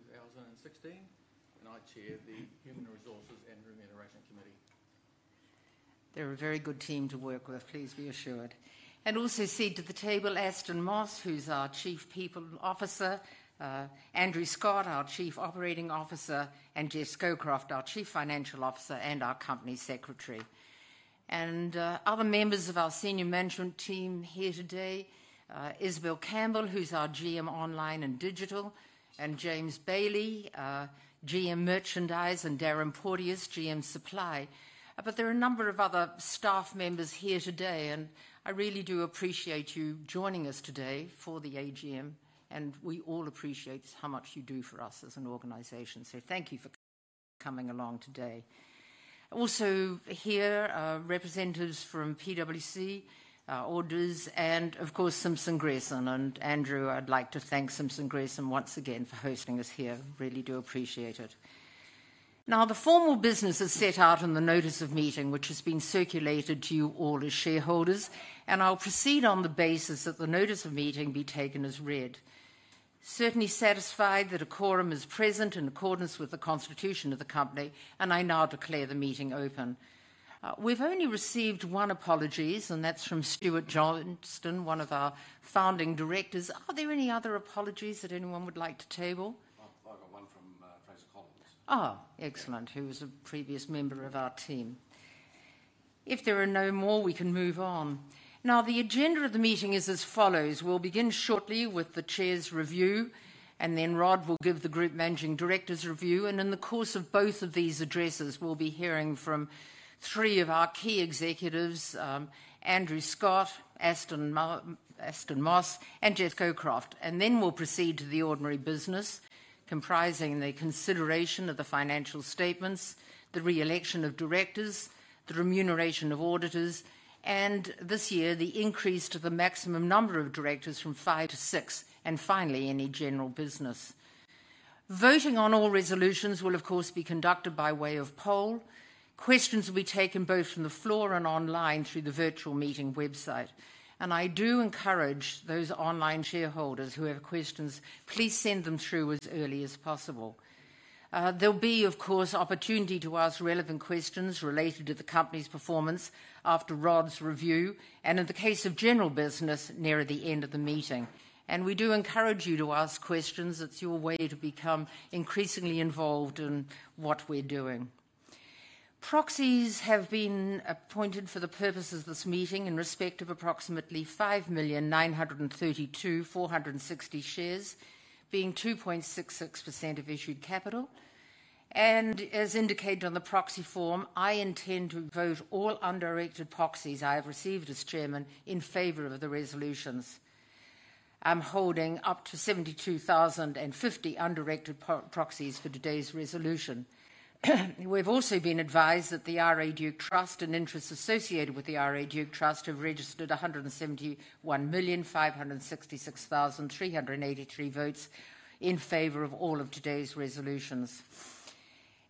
2016, and I chair the Human Resources and Remuneration Committee. They're a very good team to work with, please be assured. Also seated at the table, Aston Moss, who's our Chief People Officer; Andrew Scott, our Chief Operating Officer; and Jess Schofield, our Chief Financial Officer and our Company Secretary. Other members of our Senior Management Team here today: Isabel Campbell, who's our GM Online and Digital; James Bailey, GM Merchandise; and Darren Portius, GM Supply. There are a number of other staff members here today, and I really do appreciate you joining us today for the AGM, and we all appreciate how much you do for us as an organization. Thank you for coming along today. Also here, representatives from PwC, Auditors, and of course Simpson & Greeson. Andrew, I'd like to thank Simpson & Greeson once again for hosting us here. Really do appreciate it. Now, the formal business is set out in the Notice of Meeting, which has been circulated to you all as shareholders, and I'll proceed on the basis that the Notice of Meeting be taken as read. Certainly satisfied that a quorum is present in accordance with the Constitution of the Company, and I now declare the meeting open. We've only received one apology, and that's from Stuart Johnston, one of our founding directors. Are there any other apologies that anyone would like to table? I've got one from Trace Collins. Oh, excellent, who was a previous member of our team. If there are no more, we can move on. Now, the agenda of the meeting is as follows: we'll begin shortly with the Chair's review, and then Rod will give the Group Managing Director's review. In the course of both of these addresses, we'll be hearing from three of our key executives: Andrew Scott, Aston Moss, and Jess Schofield. Then we'll proceed to the ordinary business, comprising the consideration of the financial statements, the re-election of directors, the remuneration of auditors, and this year the increase to the maximum number of directors from five to six, and finally any general business. Voting on all resolutions will, of course, be conducted by way of poll. Questions will be taken both from the floor and online through the virtual meeting website. I do encourage those online shareholders who have questions, please send them through as early as possible. There will be, of course, opportunity to ask relevant questions related to the Company's performance after Rod's review, and in the case of general business, nearer the end of the meeting. We do encourage you to ask questions; it's your way to become increasingly involved in what we're doing. Proxies have been appointed for the purposes of this meeting in respect of approximately 5,932,460 shares, being 2.66% of issued capital. As indicated on the proxy form, I intend to vote all undirected proxies I have received as Chairman in favor of the resolutions. I'm holding up to 72,050 undirected proxies for today's resolution. We have also been advised that the RA Duke Trust and interests associated with the RA Duke Trust have registered 171,566,383 votes in favor of all of today's resolutions.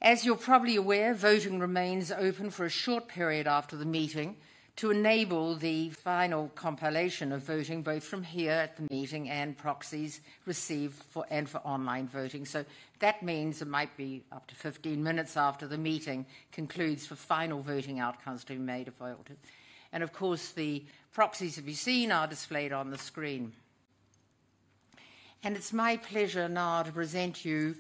As you're probably aware, voting remains open for a short period after the meeting to enable the final compilation of voting both from here at the meeting and proxies received and for online voting. That means it might be up to 15 minutes after the meeting concludes for final voting outcomes to be made available. Of course, the proxies, as you have seen, are displayed on the screen. It is my pleasure now to present you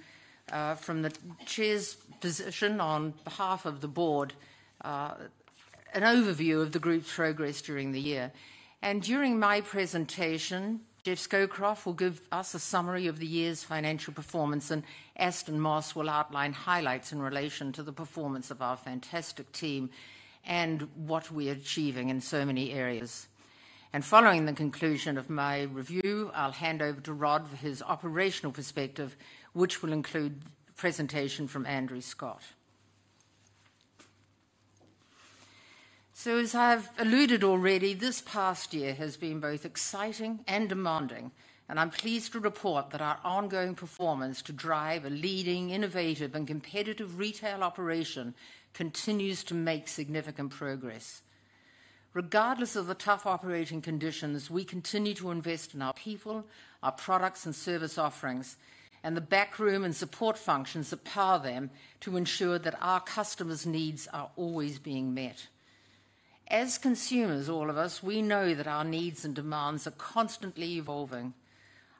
from the Chair's position on behalf of the Board an overview of the Group's progress during the year. During my presentation, Jess Schofield will give us a summary of the year's financial performance, and Aston Moss will outline highlights in relation to the performance of our fantastic team and what we're achieving in so many areas. Following the conclusion of my review, I'll hand over to Rod for his operational perspective, which will include a presentation from Andrew Scott. As I've alluded already, this past year has been both exciting and demanding, and I'm pleased to report that our ongoing performance to drive a leading, innovative, and competitive retail operation continues to make significant progress. Regardless of the tough operating conditions, we continue to invest in our people, our products, and service offerings, and the backroom and support functions that power them to ensure that our customers' needs are always being met. As consumers, all of us, we know that our needs and demands are constantly evolving.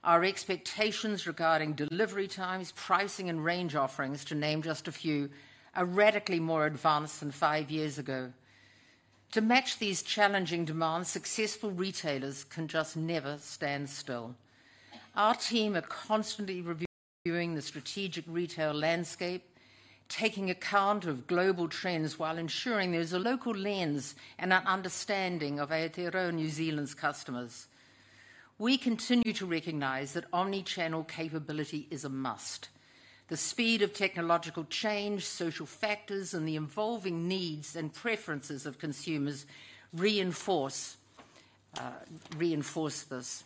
Our expectations regarding delivery times, pricing, and range offerings, to name just a few, are radically more advanced than five years ago. To match these challenging demands, successful retailers can just never stand still. Our team are constantly reviewing the strategic retail landscape, taking account of global trends while ensuring there is a local lens and an understanding of Aotearoa New Zealand's customers. We continue to recognize that omnichannel capability is a must. The speed of technological change, social factors, and the evolving needs and preferences of consumers reinforce this.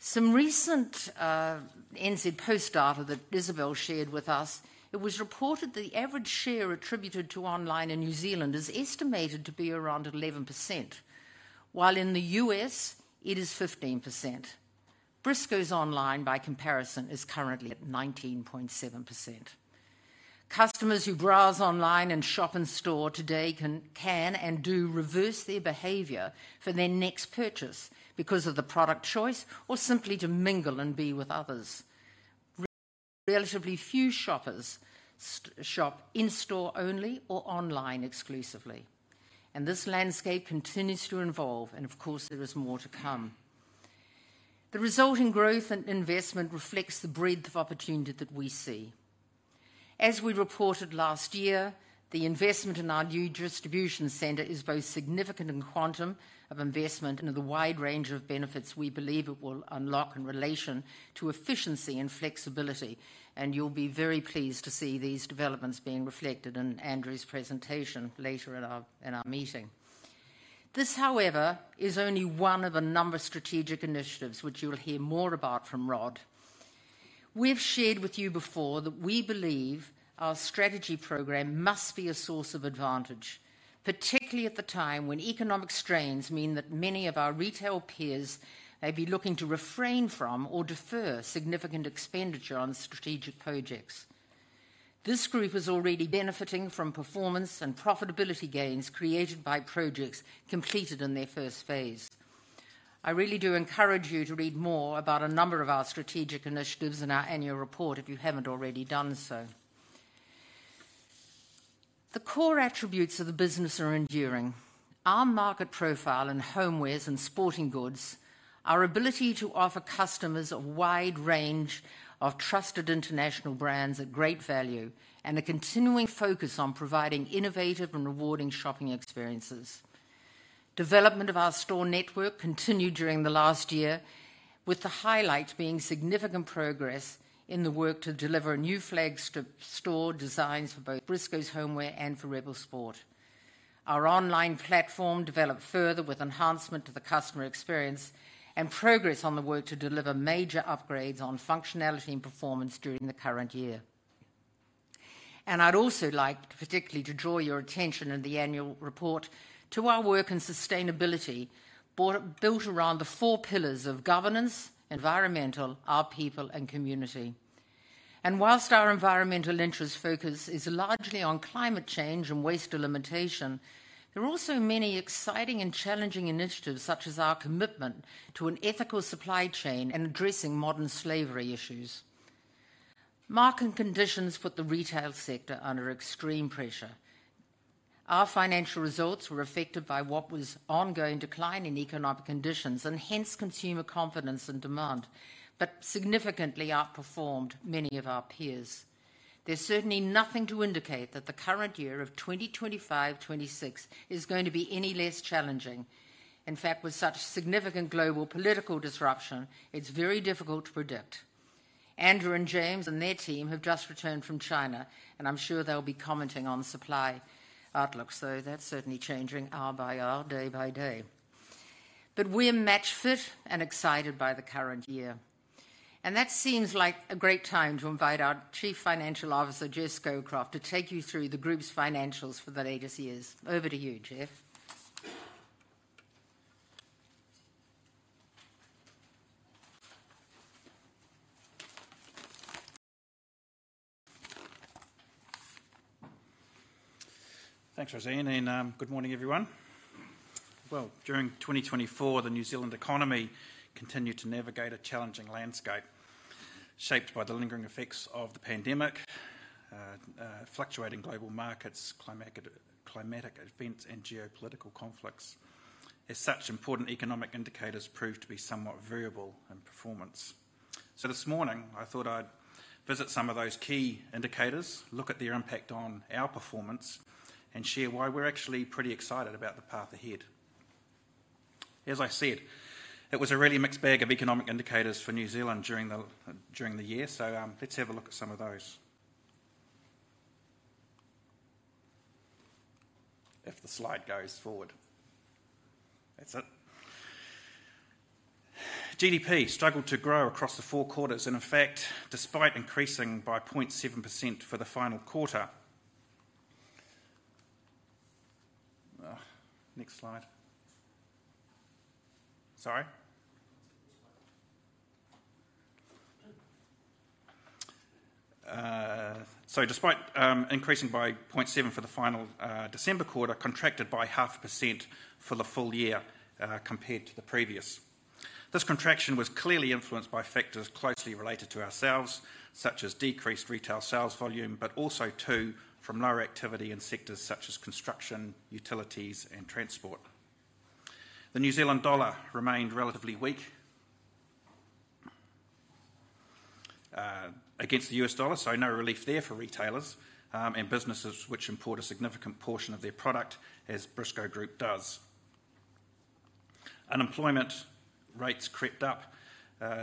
Some recent NZ Post data that Isabel shared with us, it was reported that the average share attributed to online in New Zealand is estimated to be around 11%, while in the U.S. it is 15%. Briscoe's online by comparison is currently at 19.7%. Customers who browse online and shop in store today can and do reverse their behavior for their next purchase because of the product choice or simply to mingle and be with others. Relatively few shoppers shop in store only or online exclusively, and this landscape continues to evolve, and of course there is more to come. The resulting growth and investment reflects the breadth of opportunity that we see. As we reported last year, the investment in our new distribution centre is both significant in quantum of investment and the wide range of benefits we believe it will unlock in relation to efficiency and flexibility. You will be very pleased to see these developments being reflected in Andrew's presentation later in our meeting. This, however, is only one of a number of strategic initiatives which you will hear more about from Rod. We've shared with you before that we believe our strategy program must be a source of advantage, particularly at the time when economic strains mean that many of our retail peers may be looking to refrain from or defer significant expenditure on strategic projects. This group is already benefiting from performance and profitability gains created by projects completed in their first phase. I really do encourage you to read more about a number of our strategic initiatives in our annual report if you haven't already done so. The core attributes of the business are enduring. Our market profile in homeware and sporting goods, our ability to offer customers a wide range of trusted international brands at great value, and a continuing focus on providing innovative and rewarding shopping experiences. Development of our store network continued during the last year, with the highlight being significant progress in the work to deliver new flagship store designs for both Briscoes Homeware and for Rebel Sport. Our online platform developed further with enhancement to the customer experience and progress on the work to deliver major upgrades on functionality and performance during the current year. I would also like particularly to draw your attention in the annual report to our work in sustainability built around the four pillars of governance, environmental, our people, and community. Whilst our environmental interest focus is largely on climate change and waste delimitation, there are also many exciting and challenging initiatives such as our commitment to an ethical supply chain and addressing modern slavery issues. Market conditions put the retail sector under extreme pressure. Our financial results were affected by what was ongoing decline in economic conditions and hence consumer confidence and demand, but significantly outperformed many of our peers. There is certainly nothing to indicate that the current year of 2025-2026 is going to be any less challenging. In fact, with such significant global political disruption, it is very difficult to predict. Andrew and James and their team have just returned from China, and I am sure they will be commenting on supply outlook, so that is certainly changing hour by hour, day by day. We are match-fit and excited by the current year. That seems like a great time to invite our Chief Financial Officer, Geoff Schofield, to take you through the Group's financials for the latest years. Over to you, Geoff. Thanks, Rosanne. Good morning, everyone. During 2024, the New Zealand economy continued to navigate a challenging landscape shaped by the lingering effects of the pandemic, fluctuating global markets, climatic events, and geopolitical conflicts. As such, important economic indicators proved to be somewhat variable in performance. This morning, I thought I'd visit some of those key indicators, look at their impact on our performance, and share why we're actually pretty excited about the path ahead. As I said, it was a really mixed bag of economic indicators for New Zealand during the year. Let's have a look at some of those. If the slide goes forward. That's it. GDP struggled to grow across the four quarters, and in fact, despite increasing by 0.7% for the final quarter. Next slide. Sorry. Despite increasing by 0.7% for the final December quarter, it contracted by 0.5% for the full year compared to the previous. This contraction was clearly influenced by factors closely related to ourselves, such as decreased retail sales volume, but also from lower activity in sectors such as construction, utilities, and transport. The New Zealand dollar remained relatively weak against the $U.S., so no relief there for retailers and businesses which import a significant portion of their product, as Briscoe Group does. Unemployment rates crept up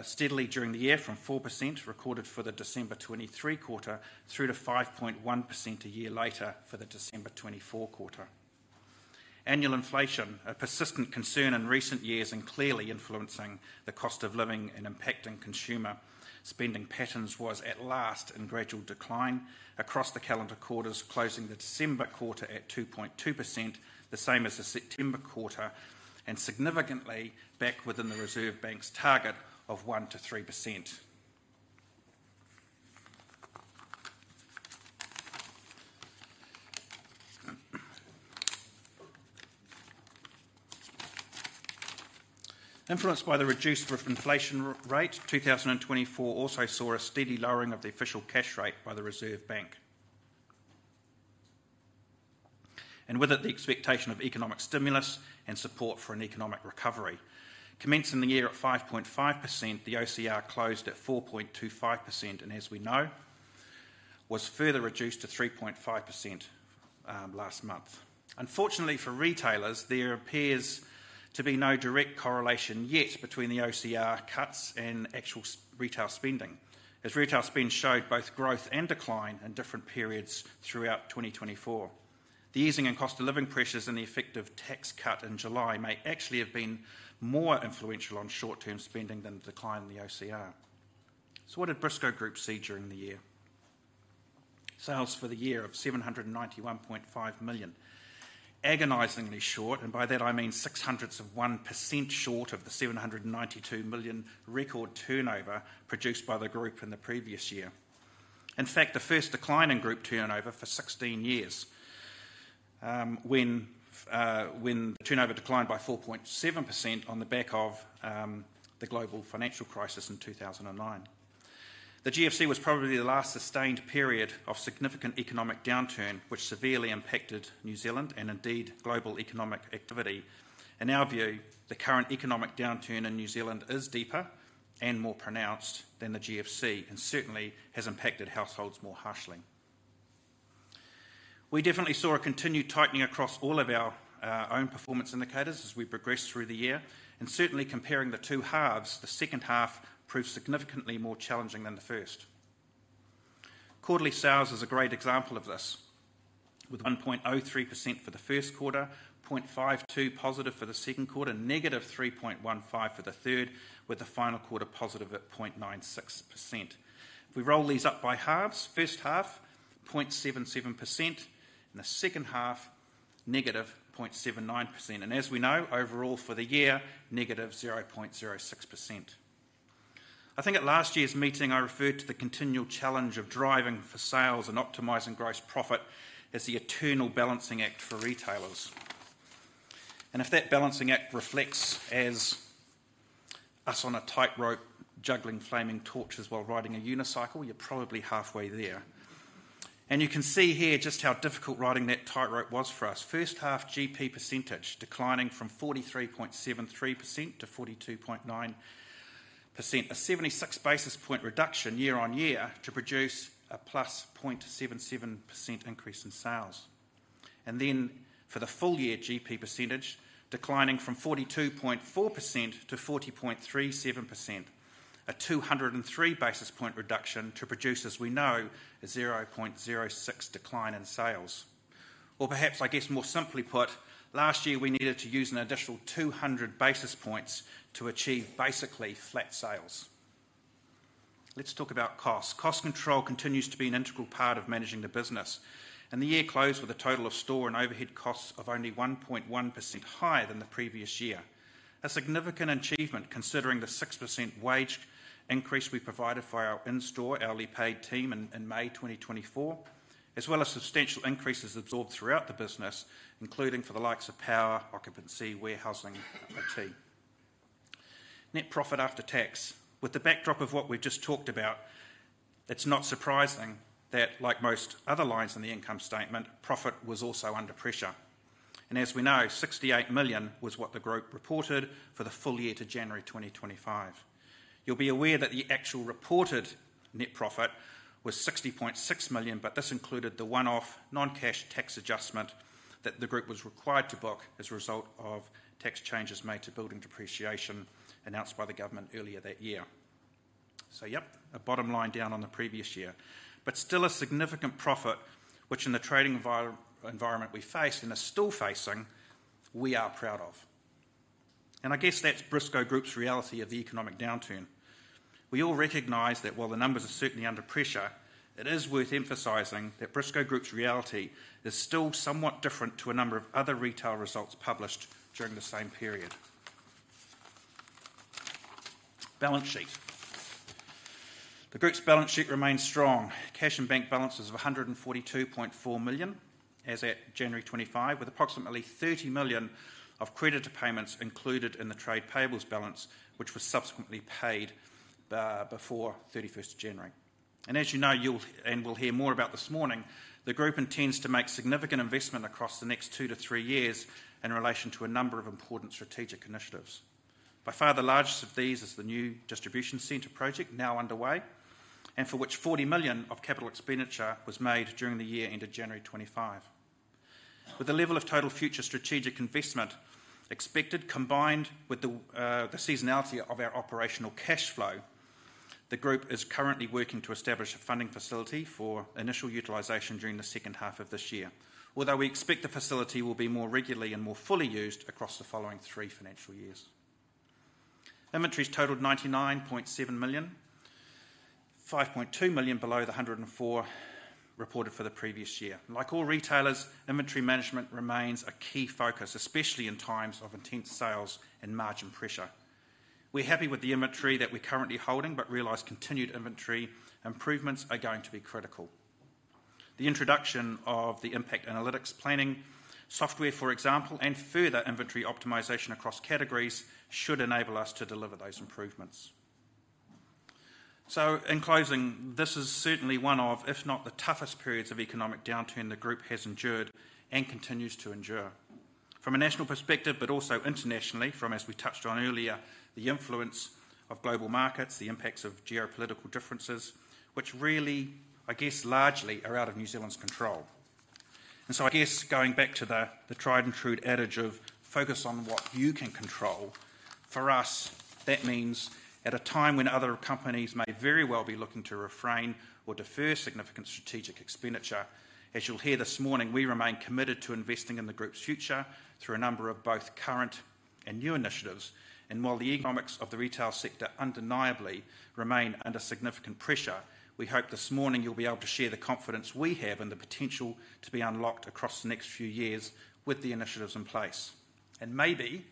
steadily during the year from 4% recorded for the December 2023 quarter through to 5.1% a year later for the December 2024 quarter. Annual inflation, a persistent concern in recent years and clearly influencing the cost of living and impacting consumer spending patterns, was at last in gradual decline across the calendar quarters, closing the December quarter at 2.2%, the same as the September quarter, and significantly back within the Reserve Bank's target of 1-3%. Influenced by the reduced inflation rate, 2024 also saw a steady lowering of the official cash rate by the Reserve Bank. With it, the expectation of economic stimulus and support for an economic recovery. Commencing the year at 5.5%, the OCR closed at 4.25%, and as we know, was further reduced to 3.5% last month. Unfortunately for retailers, there appears to be no direct correlation yet between the OCR cuts and actual retail spending, as retail spend showed both growth and decline in different periods throughout 2024. The easing in cost of living pressures and the effective tax cut in July may actually have been more influential on short-term spending than the decline in the OCR. What did Briscoe Group see during the year? Sales for the year of 791.5 million, agonizingly short, and by that I mean six hundredths of 1% short of the 792 million record turnover produced by the Group in the previous year. In fact, the first decline in Group turnover for 16 years when the turnover declined by 4.7% on the back of the global financial crisis in 2009. The GFC was probably the last sustained period of significant economic downturn which severely impacted New Zealand and indeed global economic activity. In our view, the current economic downturn in New Zealand is deeper and more pronounced than the GFC and certainly has impacted households more harshly. We definitely saw a continued tightening across all of our own performance indicators as we progressed through the year, and certainly comparing the two halves, the second half proved significantly more challenging than the first. Quarterly sales is a great example of this, with 1.03% for the first quarter, 0.52% positive for the second quarter, and negative 3.15% for the third, with the final quarter positive at 0.96%. If we roll these up by halves, first half 0.77%, and the second half negative 0.79%. As we know, overall for the year, negative 0.06%. I think at last year's meeting, I referred to the continual challenge of driving for sales and optimising gross profit as the eternal balancing act for retailers. If that balancing act reflects as us on a tightrope, juggling flaming torches while riding a unicycle, you're probably halfway there. You can see here just how difficult riding that tightrope was for us. First half GP percentage declining from 43.73% to 42.9%, a 76 basis point reduction year on year to produce a +0.77% increase in sales. For the full year, GP percentage declining from 42.4%-40.37%, a 203 basis point reduction to produce, as we know, a 0.06% decline in sales. Perhaps, more simply put, last year we needed to use an additional 200 basis points to achieve basically flat sales. Let's talk about costs. Cost control continues to be an integral part of managing the business, and the year closed with a total of store and overhead costs of only 1.1% higher than the previous year. A significant achievement considering the 6% wage increase we provided for our in-store, hourly-paid team in May 2024, as well as substantial increases absorbed throughout the business, including for the likes of power, occupancy, warehousing, and IT. Net profit after tax. With the backdrop of what we have just talked about, it is not surprising that, like most other lines in the income statement, profit was also under pressure. As we know, 68 million was what the Group reported for the full year to January 2025. You will be aware that the actual reported net profit was 60.6 million, but this included the one-off non-cash tax adjustment that the Group was required to book as a result of tax changes made to building depreciation announced by the government earlier that year. Yep, a bottom line down on the previous year, but still a significant profit which in the trading environment we faced and are still facing, we are proud of. I guess that's Briscoe Group's reality of the economic downturn. We all recognize that while the numbers are certainly under pressure, it is worth emphasizing that Briscoe Group's reality is still somewhat different to a number of other retail results published during the same period. Balance sheet. The Group's balance sheet remains strong. Cash and bank balances of 142.4 million, as at January 2025, with approximately 30 million of creditor payments included in the trade payables balance, which was subsequently paid before 31st January. As you know, and we'll hear more about this morning, the Group intends to make significant investment across the next two to three years in relation to a number of important strategic initiatives. By far the largest of these is the new distribution centre project now underway, and for which 40 million of capital expenditure was made during the year end of January 2025. With the level of total future strategic investment expected combined with the seasonality of our operational cash flow, the Group is currently working to establish a funding facility for initial utilisation during the second half of this year, although we expect the facility will be more regularly and more fully used across the following three financial years. Inventories totaled 99.7 million, 5.2 million below the 104 million reported for the previous year. Like all retailers, inventory management remains a key focus, especially in times of intense sales and margin pressure. We're happy with the inventory that we're currently holding, but realise continued inventory improvements are going to be critical. The introduction of the impact analytics planning software, for example, and further inventory optimization across categories should enable us to deliver those improvements. In closing, this is certainly one of, if not the toughest periods of economic downturn the Group has endured and continues to endure. From a national perspective, but also internationally, from, as we touched on earlier, the influence of global markets, the impacts of geopolitical differences, which really, I guess, largely are out of New Zealand's control. I guess going back to the tried and true adage of focus on what you can control, for us, that means at a time when other companies may very well be looking to refrain or defer significant strategic expenditure, as you'll hear this morning, we remain committed to investing in the Group's future through a number of both current and new initiatives. While the economics of the retail sector undeniably remain under significant pressure, we hope this morning you'll be able to share the confidence we have and the potential to be unlocked across the next few years with the initiatives in place. Maybe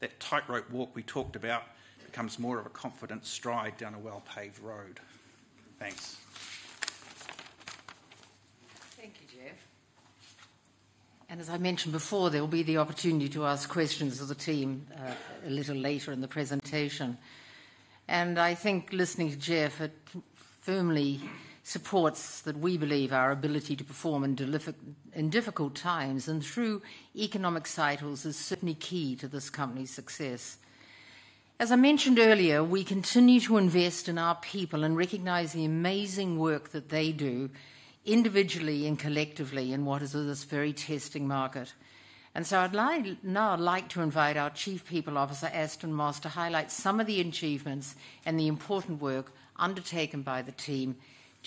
that tightrope walk we talked about becomes more of a confident stride down a well-paved road. Thanks. Thank you, Geoff. As I mentioned before, there will be the opportunity to ask questions of the team a little later in the presentation. I think listening to Geoff, it firmly supports that we believe our ability to perform in difficult times and through economic cycles is certainly key to this company's success. As I mentioned earlier, we continue to invest in our people and recognize the amazing work that they do individually and collectively in what is this very testing market. I would now like to invite our Chief People Officer, Aston Moss, to highlight some of the achievements and the important work undertaken by the team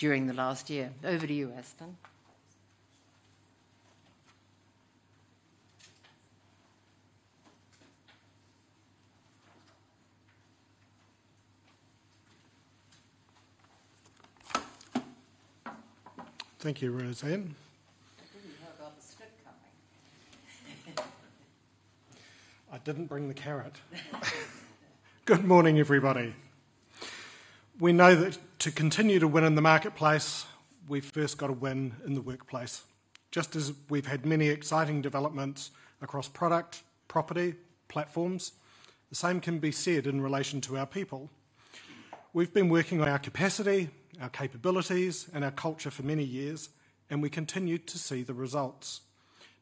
during the last year. Over to you, Aston. Thank you, Rosanne. I didn't know about the strip coming. I didn't bring the carrot. Good morning, everybody. We know that to continue to win in the marketplace, we've first got to win in the workplace. Just as we've had many exciting developments across product, property, platforms, the same can be said in relation to our people. We've been working on our capacity, our capabilities, and our culture for many years, and we continue to see the results,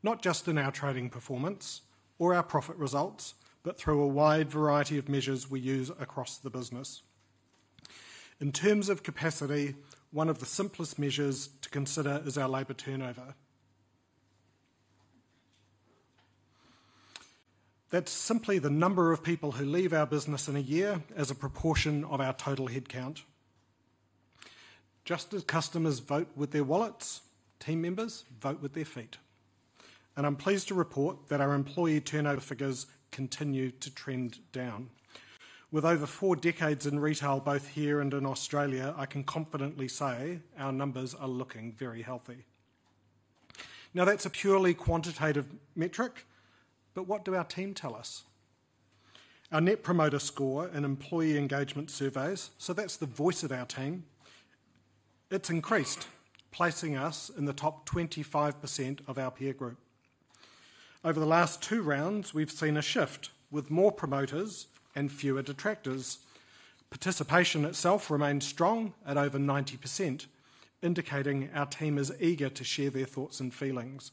not just in our trading performance or our profit results, but through a wide variety of measures we use across the business. In terms of capacity, one of the simplest measures to consider is our labor turnover. That's simply the number of people who leave our business in a year as a proportion of our total headcount. Just as customers vote with their wallets, team members vote with their feet. I'm pleased to report that our employee turnover figures continue to trend down. With over four decades in retail, both here and in Australia, I can confidently say our numbers are looking very healthy. Now, that's a purely quantitative metric, but what do our team tell us? Our net promoter score and employee engagement surveys, so that's the voice of our team, it's increased, placing us in the top 25% of our peer group. Over the last two rounds, we've seen a shift with more promoters and fewer detractors. Participation itself remains strong at over 90%, indicating our team is eager to share their thoughts and feelings.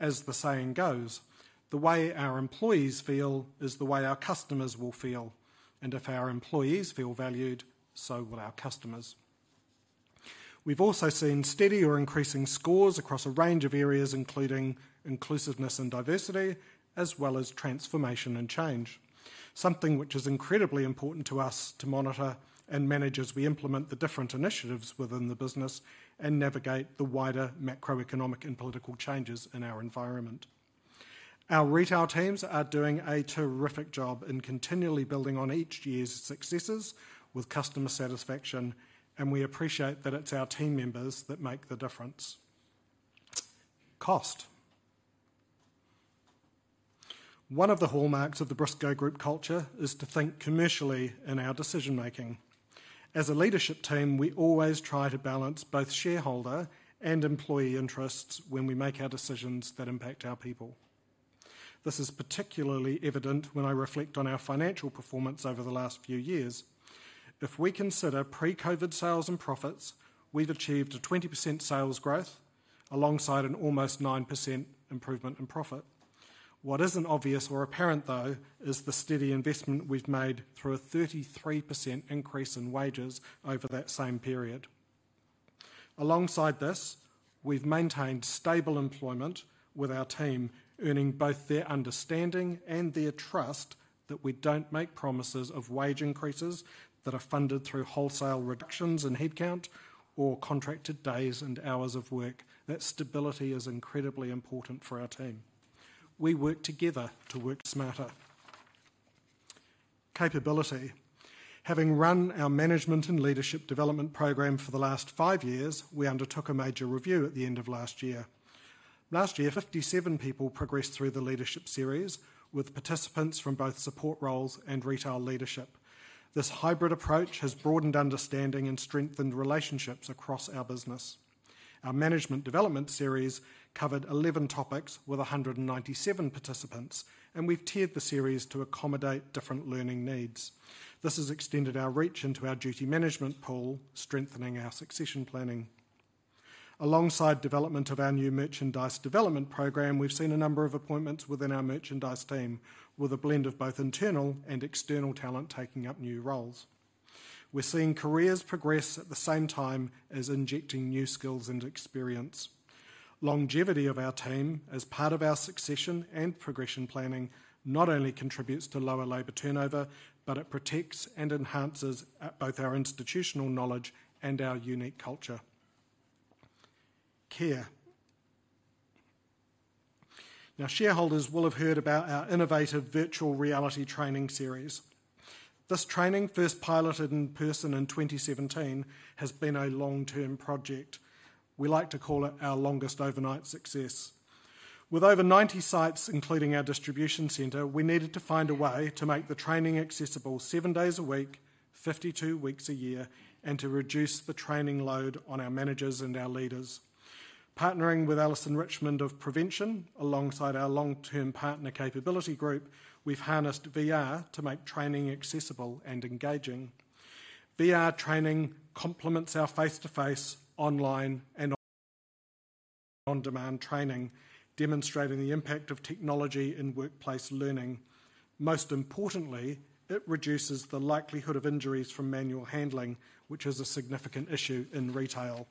As the saying goes, the way our employees feel is the way our customers will feel, and if our employees feel valued, so will our customers. We've also seen steady or increasing scores across a range of areas, including inclusiveness and diversity, as well as transformation and change, something which is incredibly important to us to monitor and manage as we implement the different initiatives within the business and navigate the wider macroeconomic and political changes in our environment. Our retail teams are doing a terrific job in continually building on each year's successes with customer satisfaction, and we appreciate that it's our team members that make the difference. One of the hallmarks of the Briscoe Group culture is to think commercially in our decision-making. As a leadership team, we always try to balance both shareholder and employee interests when we make our decisions that impact our people. This is particularly evident when I reflect on our financial performance over the last few years. If we consider pre-COVID sales and profits, we've achieved a 20% sales growth alongside an almost 9% improvement in profit. What isn't obvious or apparent, though, is the steady investment we've made through a 33% increase in wages over that same period. Alongside this, we've maintained stable employment with our team, earning both their understanding and their trust that we don't make promises of wage increases that are funded through wholesale reductions in headcount or contracted days and hours of work. That stability is incredibly important for our team. We work together to work smarter. Capability. Having run our management and leadership development programme for the last five years, we undertook a major review at the end of last year. Last year, 57 people progressed through the leadership series with participants from both support roles and retail leadership. This hybrid approach has broadened understanding and strengthened relationships across our business. Our management development series covered 11 topics with 197 participants, and we've tiered the series to accommodate different learning needs. This has extended our reach into our duty management pool, strengthening our succession planning. Alongside development of our new merchandise development programme, we've seen a number of appointments within our merchandise team, with a blend of both internal and external talent taking up new roles. We're seeing careers progress at the same time as injecting new skills and experience. Longevity of our team as part of our succession and progression planning not only contributes to lower labor turnover, but it protects and enhances both our institutional knowledge and our unique culture. Care. Now, shareholders will have heard about our innovative virtual reality training series. This training, first piloted in person in 2017, has been a long-term project. We like to call it our longest overnight success. With over 90 sites, including our distribution centre, we needed to find a way to make the training accessible seven days a week, 52 weeks a year, and to reduce the training load on our managers and our leaders. Partnering with Alison Richmond of Prevention, alongside our long-term partner Capability Group, we've harnessed VR to make training accessible and engaging. VR training complements our face-to-face, online, and on-demand training, demonstrating the impact of technology in workplace learning. Most importantly, it reduces the likelihood of injuries from manual handling, which is a significant issue in retail.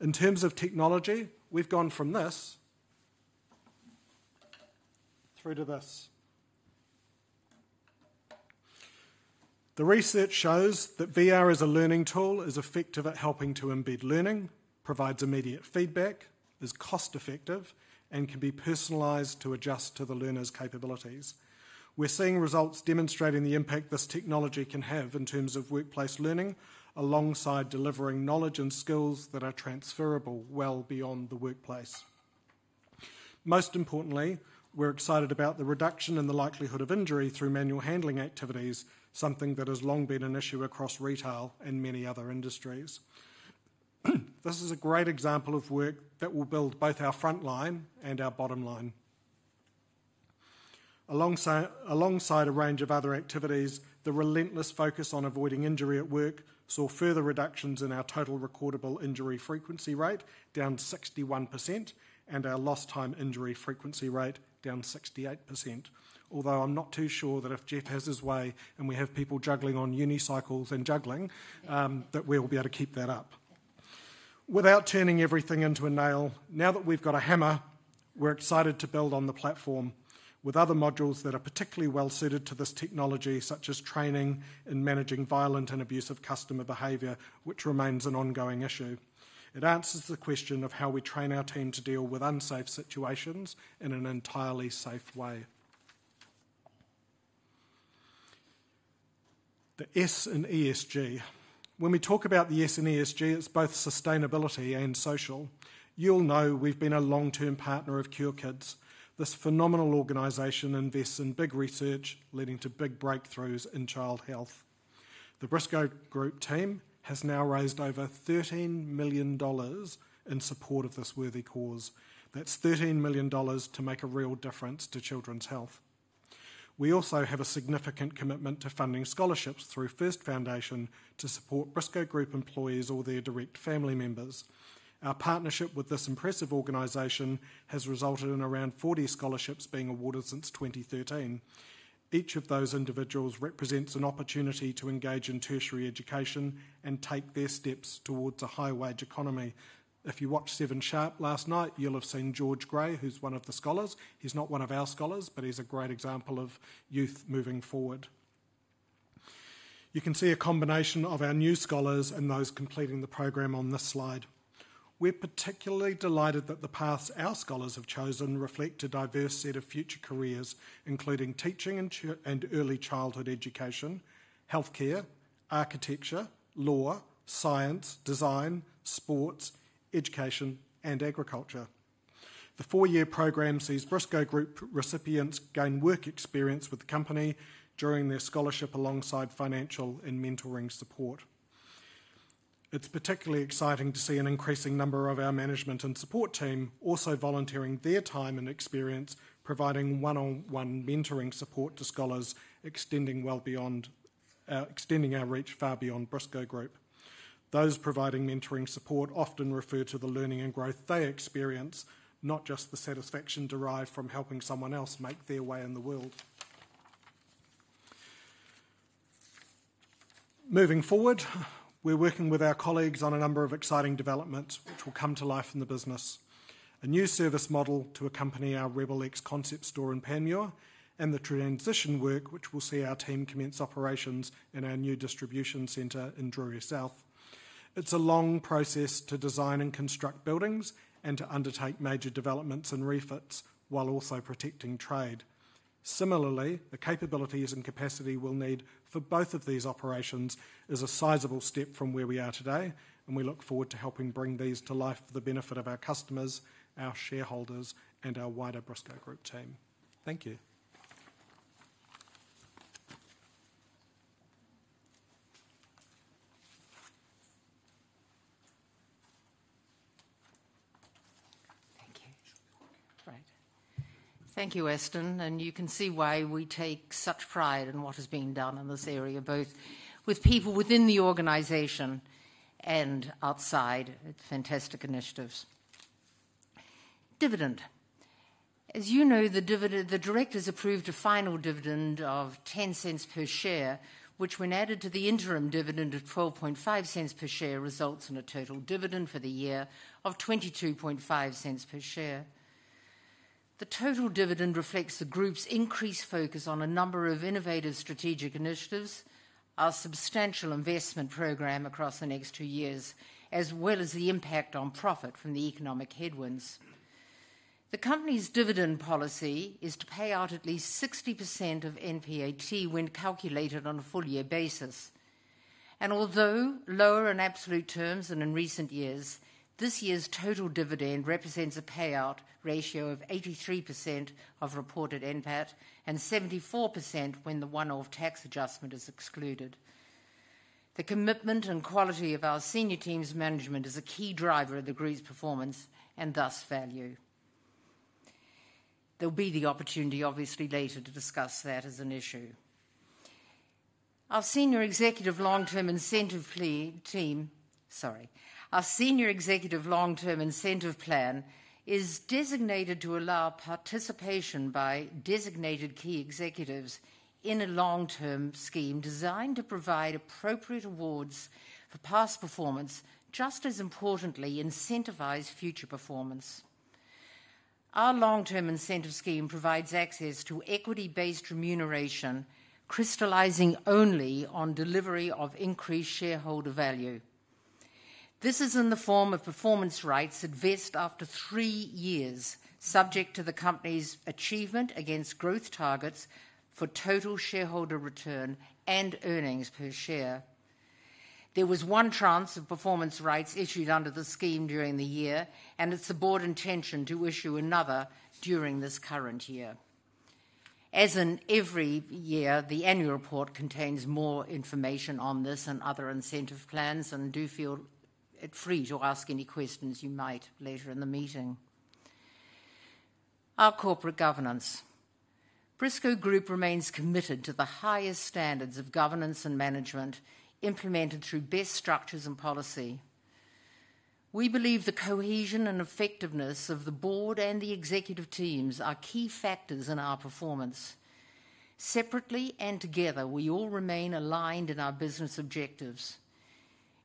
In terms of technology, we've gone from this through to this. The research shows that VR as a learning tool is effective at helping to embed learning, provides immediate feedback, is cost-effective, and can be personalised to adjust to the learner's capabilities. We're seeing results demonstrating the impact this technology can have in terms of workplace learning, alongside delivering knowledge and skills that are transferable well beyond the workplace. Most importantly, we're excited about the reduction in the likelihood of injury through manual handling activities, something that has long been an issue across retail and many other industries. This is a great example of work that will build both our frontline and our bottom line. Alongside a range of other activities, the relentless focus on avoiding injury at work saw further reductions in our total recordable injury frequency rate, down to 61%, and our lost-time injury frequency rate, down to 68%. Although I'm not too sure that if Geoff has his way and we have people juggling on unicycles and juggling, that we'll be able to keep that up. Without turning everything into a nail, now that we've got a hammer, we're excited to build on the platform with other modules that are particularly well-suited to this technology, such as training and managing violent and abusive customer behavior, which remains an ongoing issue. It answers the question of how we train our team to deal with unsafe situations in an entirely safe way. The S in ESG. When we talk about the S in ESG, it's both sustainability and social. You'll know we've been a long-term partner of Cure Kids. This phenomenal organization invests in big research leading to big breakthroughs in child health. The Briscoe Group team has now raised over 13 million dollars in support of this worthy cause. That's 13 million dollars to make a real difference to children's health. We also have a significant commitment to funding scholarships through First Foundation to support Briscoe Group employees or their direct family members. Our partnership with this impressive organization has resulted in around 40 scholarships being awarded since 2013. Each of those individuals represents an opportunity to engage in tertiary education and take their steps towards a high-wage economy. If you watched 7 Sharp last night, you'll have seen George Gray, who's one of the scholars. He's not one of our scholars, but he's a great example of youth moving forward. You can see a combination of our new scholars and those completing the program on this slide. We're particularly delighted that the paths our scholars have chosen reflect a diverse set of future careers, including teaching and early childhood education, healthcare, architecture, law, science, design, sports, education, and agriculture. The four-year program sees Briscoe Group recipients gain work experience with the company during their scholarship alongside financial and mentoring support. It's particularly exciting to see an increasing number of our management and support team also volunteering their time and experience, providing one-on-one mentoring support to scholars, extending our reach far beyond Briscoe Group. Those providing mentoring support often refer to the learning and growth they experience, not just the satisfaction derived from helping someone else make their way in the world. Moving forward, we're working with our colleagues on a number of exciting developments, which will come to life in the business. A new service model to accompany our Rebel X concept store in Panmure, and the transition work, which will see our team commence operations in our new distribution center in Drury South. It's a long process to design and construct buildings and to undertake major developments and refits while also protecting trade. Similarly, the capabilities and capacity we'll need for both of these operations is a sizable step from where we are today, and we look forward to helping bring these to life for the benefit of our customers, our shareholders, and our wider Briscoe Group team. Thank you. Thank you. Right. Thank you, Aston. You can see why we take such pride in what has been done in this area, both with people within the organization and outside. It's fantastic initiatives. Dividend. As you know, the directors approved a final dividend of $0.10 per share, which, when added to the interim dividend of $0.125 per share, results in a total dividend for the year of $0.225 per share. The total dividend reflects the group's increased focus on a number of innovative strategic initiatives, our substantial investment program across the next two years, as well as the impact on profit from the economic headwinds. The company's dividend policy is to pay out at least 60% of NPAT when calculated on a full-year basis. Although lower in absolute terms than in recent years, this year's total dividend represents a payout ratio of 83% of reported NPAT and 74% when the one-off tax adjustment is excluded. The commitment and quality of our senior team's management is a key driver of the group's performance and thus value. There will be the opportunity, obviously, later to discuss that as an issue. Our senior executive long-term incentive plan is designated to allow participation by designated key executives in a long-term scheme designed to provide appropriate awards for past performance, just as importantly, incentivize future performance. Our long-term incentive scheme provides access to equity-based remuneration, crystallizing only on delivery of increased shareholder value. This is in the form of performance rights at vest after three years, subject to the company's achievement against growth targets for total shareholder return and earnings per share. There was one tranche of performance rights issued under the scheme during the year, and it's a board intention to issue another during this current year. As in every year, the annual report contains more information on this and other incentive plans, and do feel free to ask any questions you might later in the meeting. Our corporate governance. Briscoe Group remains committed to the highest standards of governance and management implemented through best structures and policy. We believe the cohesion and effectiveness of the board and the executive teams are key factors in our performance. Separately and together, we all remain aligned in our business objectives.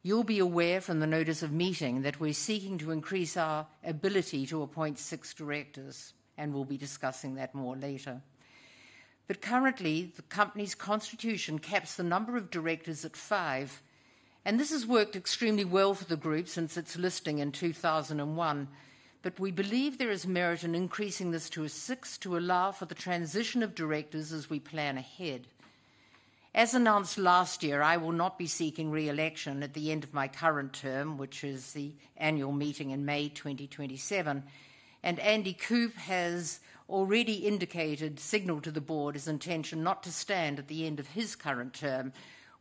You'll be aware from the notice of meeting that we're seeking to increase our ability to appoint six directors, and we'll be discussing that more later. Currently, the company's constitution caps the number of directors at five, and this has worked extremely well for the group since its listing in 2001. We believe there is merit in increasing this to six to allow for the transition of directors as we plan ahead. As announced last year, I will not be seeking re-election at the end of my current term, which is the annual meeting in May 2027. Andy Coupe has already indicated, signaled to the board his intention not to stand at the end of his current term,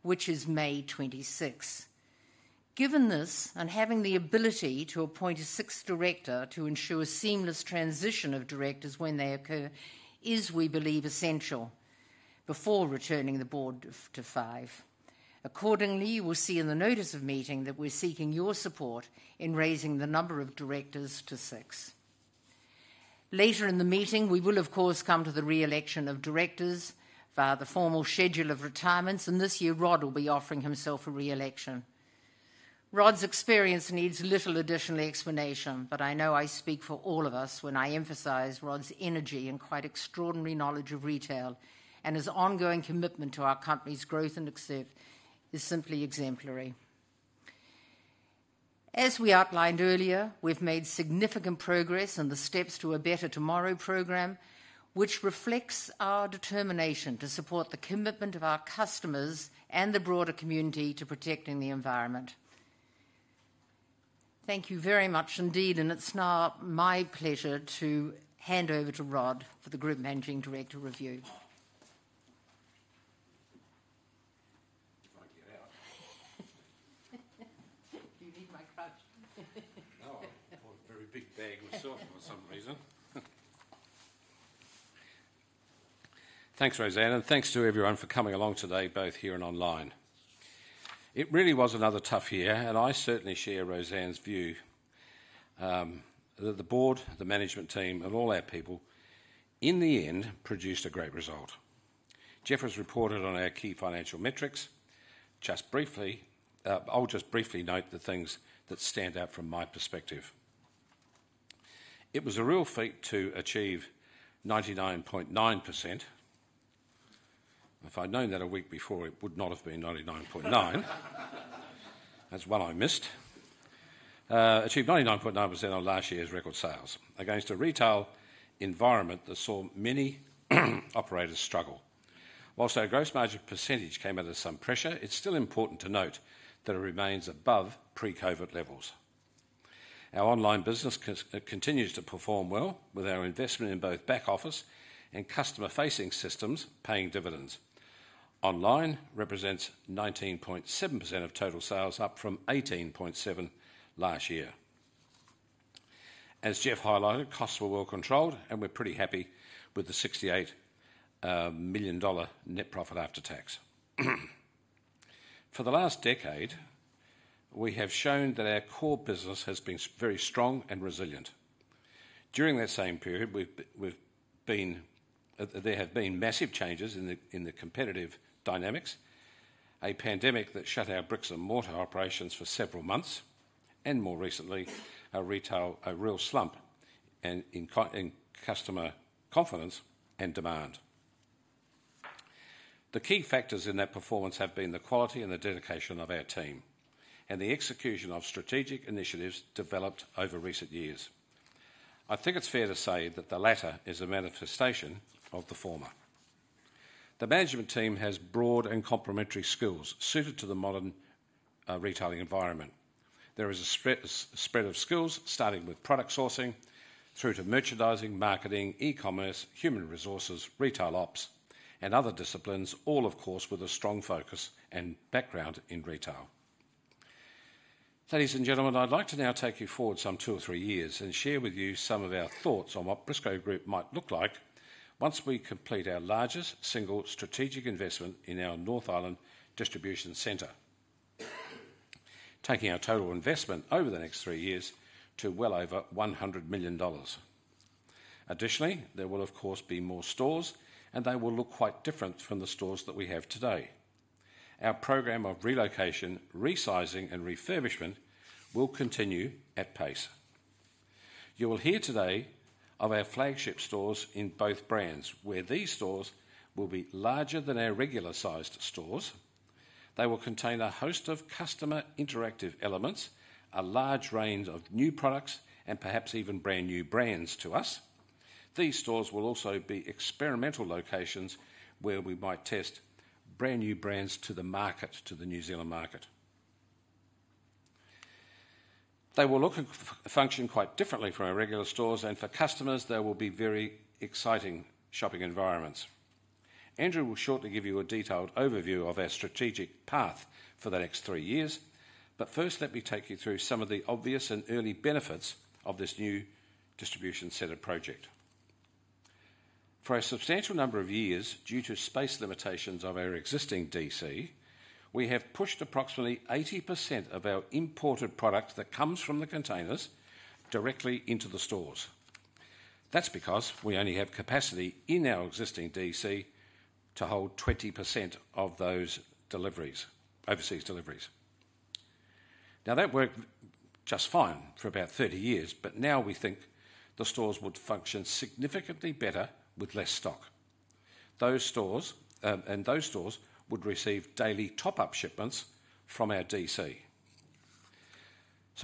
which is May 2026. Given this, and having the ability to appoint a sixth director to ensure seamless transition of directors when they occur is, we believe, essential before returning the board to five. Accordingly, you will see in the notice of meeting that we're seeking your support in raising the number of directors to six. Later in the meeting, we will, of course, come to the re-election of directors, the formal schedule of retirements, and this year, Rod will be offering himself for re-election. Rod's experience needs little additional explanation, but I know I speak for all of us when I emphasize Rod's energy and quite extraordinary knowledge of retail and his ongoing commitment to our company's growth and success is simply exemplary. As we outlined earlier, we've made significant progress in the Steps to a Better Tomorrow program, which reflects our determination to support the commitment of our customers and the broader community to protecting the environment. Thank you very much indeed, and it's now my pleasure to hand over to Rod for the Group Managing Director review. You can't get out. Do you need my crutch? No, I bought a very big bag of soap for some reason. Thanks, Rosanne, and thanks to everyone for coming along today, both here and online. It really was another tough year, and I certainly share Rosanne's view that the board, the management team, and all our people in the end produced a great result. Geoff has reported on our key financial metrics. Just briefly, I'll just briefly note the things that stand out from my perspective. It was a real feat to achieve 99.9%. If I'd known that a week before, it would not have been 99.9%. That's one I missed. Achieved 99.9% on last year's record sales against a retail environment that saw many operators struggle. Whilst our gross margin percentage came under some pressure, it's still important to note that it remains above pre-COVID levels. Our online business continues to perform well with our investment in both back office and customer-facing systems paying dividends. Online represents 19.7% of total sales, up from 18.7% last year. As Jess highlighted, costs were well controlled, and we're pretty happy with the $68 million net profit after tax. For the last decade, we have shown that our core business has been very strong and resilient. During that same period, there have been massive changes in the competitive dynamics, a pandemic that shut our bricks and mortar operations for several months, and more recently, a real slump in customer confidence and demand. The key factors in that performance have been the quality and the dedication of our team and the execution of strategic initiatives developed over recent years. I think it's fair to say that the latter is a manifestation of the former. The management team has broad and complementary skills suited to the modern retailing environment. There is a spread of skills starting with product sourcing through to merchandising, marketing, e-commerce, human resources, retail ops, and other disciplines, all, of course, with a strong focus and background in retail. Ladies and gentlemen, I'd like to now take you forward some two or three years and share with you some of our thoughts on what Briscoe Group might look like once we complete our largest single strategic investment in our North Island distribution centre, taking our total investment over the next three years to well over 100 million dollars. Additionally, there will, of course, be more stores, and they will look quite different from the stores that we have today. Our programme of relocation, resizing, and refurbishment will continue at pace. You will hear today of our flagship stores in both brands, where these stores will be larger than our regular-sized stores. They will contain a host of customer interactive elements, a large range of new products, and perhaps even brand new brands to us. These stores will also be experimental locations where we might test brand new brands to the market, to the New Zealand market. They will look and function quite differently from our regular stores, and for customers, there will be very exciting shopping environments. Andrew will shortly give you a detailed overview of our strategic path for the next three years, but first, let me take you through some of the obvious and early benefits of this new distribution centre project. For a substantial number of years, due to space limitations of our existing DC, we have pushed approximately 80% of our imported product that comes from the containers directly into the stores. That's because we only have capacity in our existing DC to hold 20% of those overseas deliveries. Now, that worked just fine for about 30 years, but now we think the stores would function significantly better with less stock. Those stores would receive daily top-up shipments from our DC.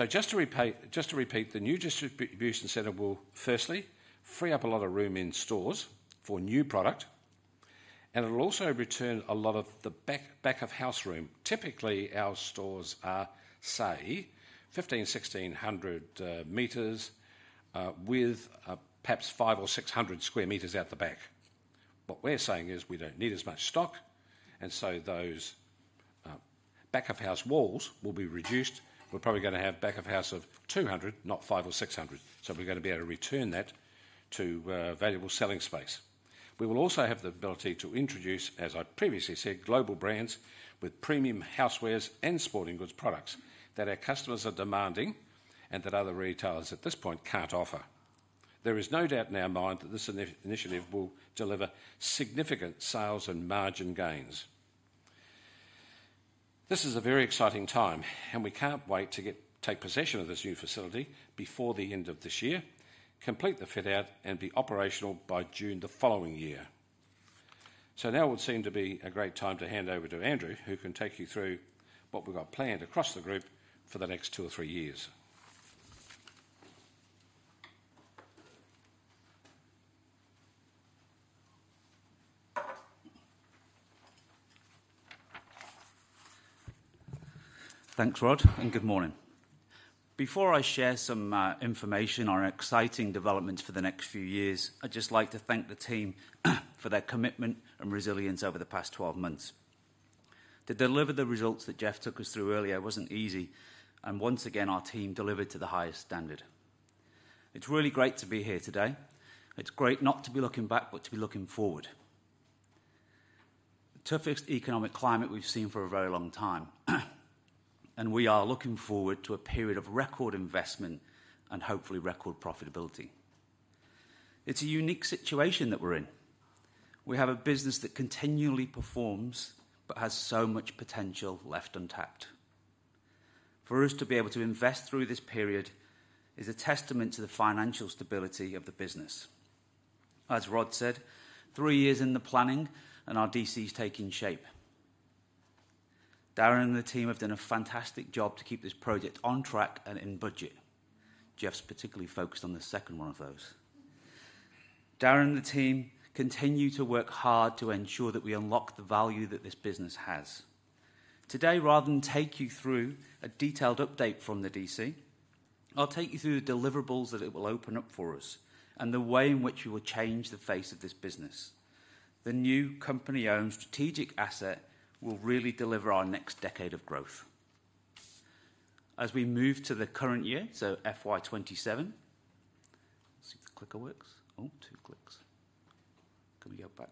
Just to repeat, the new distribution centre will, firstly, free up a lot of room in stores for new product, and it'll also return a lot of the back of house room. Typically, our stores are, say, 1,500, 1,600 metres with perhaps 500 or 600 square metres out the back. What we're saying is we don't need as much stock, and so those back of house walls will be reduced. We're probably going to have back of house of 200, not 500 or 600, so we're going to be able to return that to valuable selling space. We will also have the ability to introduce, as I previously said, global brands with premium housewares and sporting goods products that our customers are demanding and that other retailers at this point can't offer. There is no doubt in our mind that this initiative will deliver significant sales and margin gains. This is a very exciting time, and we can't wait to take possession of this new facility before the end of this year, complete the fit-out, and be operational by June the following year. Now would seem to be a great time to hand over to Andrew, who can take you through what we've got planned across the group for the next two or three years. Thanks, Rod, and good morning. Before I share some information on our exciting developments for the next few years, I'd just like to thank the team for their commitment and resilience over the past 12 months. To deliver the results that Geoff took us through earlier was not easy, and once again, our team delivered to the highest standard. It's really great to be here today. It's great not to be looking back, but to be looking forward. Toughest economic climate we've seen for a very long time, and we are looking forward to a period of record investment and hopefully record profitability. It's a unique situation that we're in. We have a business that continually performs but has so much potential left untapped. For us to be able to invest through this period is a testament to the financial stability of the business. As Rod said, three years in the planning, and our DC is taking shape. Darren and the team have done a fantastic job to keep this project on track and in budget. Geoff's particularly focused on the second one of those. Darren and the team continue to work hard to ensure that we unlock the value that this business has. Today, rather than take you through a detailed update from the DC, I'll take you through the deliverables that it will open up for us and the way in which we will change the face of this business. The new company-owned strategic asset will really deliver our next decade of growth. As we move to the current year, so FY2027, let's see if the clicker works. Oh, two clicks. Can we go back?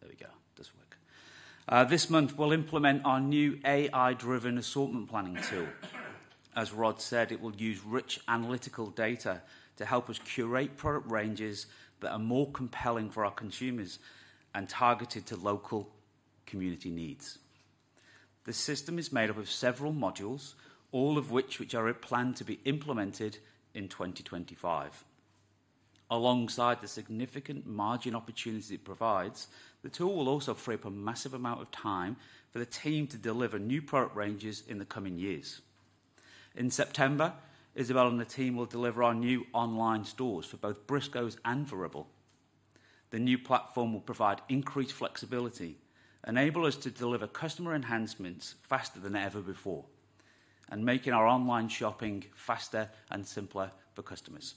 There we go. It does work. This month, we'll implement our new AI-driven assortment planning tool. As Rod said, it will use rich analytical data to help us curate product ranges that are more compelling for our consumers and targeted to local community needs. The system is made up of several modules, all of which are planned to be implemented in 2025. Alongside the significant margin opportunities it provides, the tool will also free up a massive amount of time for the team to deliver new product ranges in the coming years. In September, Isabel and the team will deliver our new online stores for both Briscoes and Rebel. The new platform will provide increased flexibility, enable us to deliver customer enhancements faster than ever before, and make our online shopping faster and simpler for customers.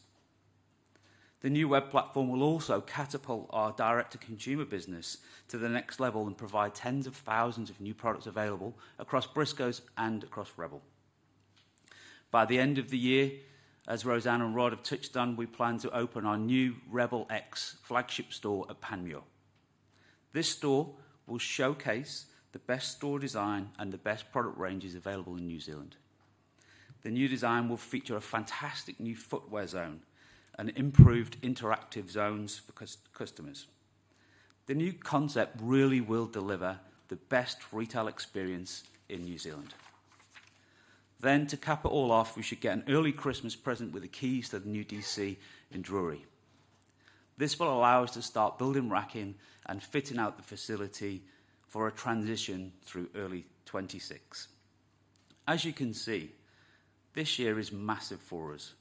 The new web platform will also catapult our direct-to-consumer business to the next level and provide tens of thousands of new products available across Briscoes and across Rebel. By the end of the year, as Rosanne and Rod have touched on, we plan to open our new Rebel X flagship store at Panmure. This store will showcase the best store design and the best product ranges available in New Zealand. The new design will feature a fantastic new footwear zone and improved interactive zones for customers. The new concept really will deliver the best retail experience in New Zealand. To cap it all off, we should get an early Christmas present with the keys to the new DC in Drury. This will allow us to start building racking and fitting out the facility for a transition through early 2026. As you can see, this year is massive for us.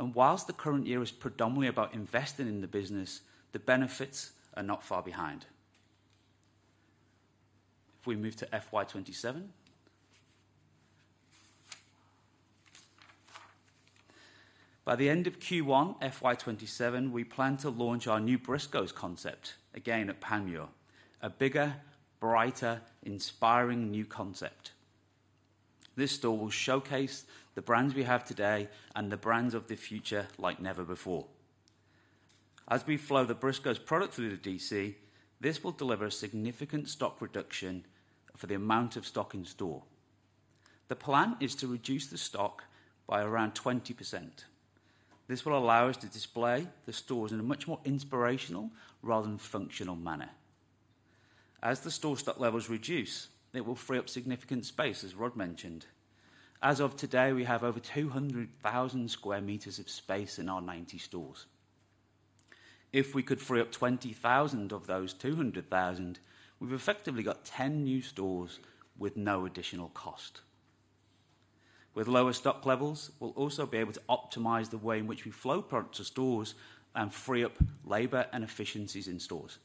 Whilst the current year is predominantly about investing in the business, the benefits are not far behind. If we move to FY2027, by the end of Q1 FY2027, we plan to launch our new Briscoes concept again at Panmure, a bigger, brighter, inspiring new concept. This store will showcase the brands we have today and the brands of the future like never before. As we flow the Briscoes product through the DC, this will deliver a significant stock reduction for the amount of stock in store. The plan is to reduce the stock by around 20%. This will allow us to display the stores in a much more inspirational rather than functional manner. As the store stock levels reduce, it will free up significant space, as Rod mentioned. As of today, we have over 200,000 sq m of space in our 90 stores. If we could free up 20,000 of those 200,000, we've effectively got 10 new stores with no additional cost. With lower stock levels, we'll also be able to optimize the way in which we flow product to stores and free up labor and efficiencies in stores.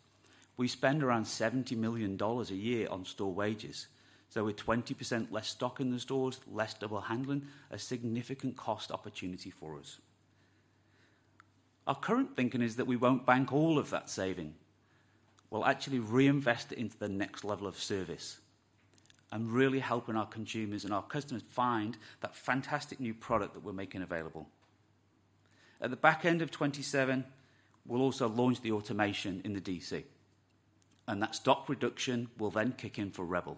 We spend around 70 million dollars a year on store wages, so with 20% less stock in the stores, less double handling, a significant cost opportunity for us. Our current thinking is that we won't bank all of that saving. We'll actually reinvest it into the next level of service and really helping our consumers and our customers find that fantastic new product that we're making available. At the back end of 2027, we'll also launch the automation in the DC, and that stock reduction will then kick in for Varible.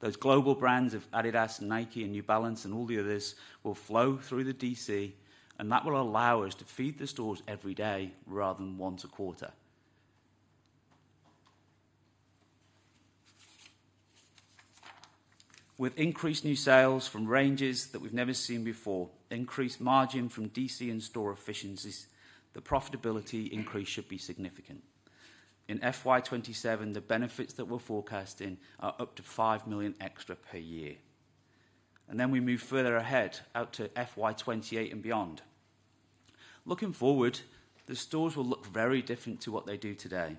Those global brands of Adidas, Nike, and New Balance and all the others will flow through the DC, and that will allow us to feed the stores every day rather than once a quarter. With increased new sales from ranges that we've never seen before, increased margin from DC and store efficiencies, the profitability increase should be significant. In FY2027, the benefits that we're forecasting are up to 5 million extra per year. We move further ahead out to FY2028 and beyond. Looking forward, the stores will look very different to what they do today,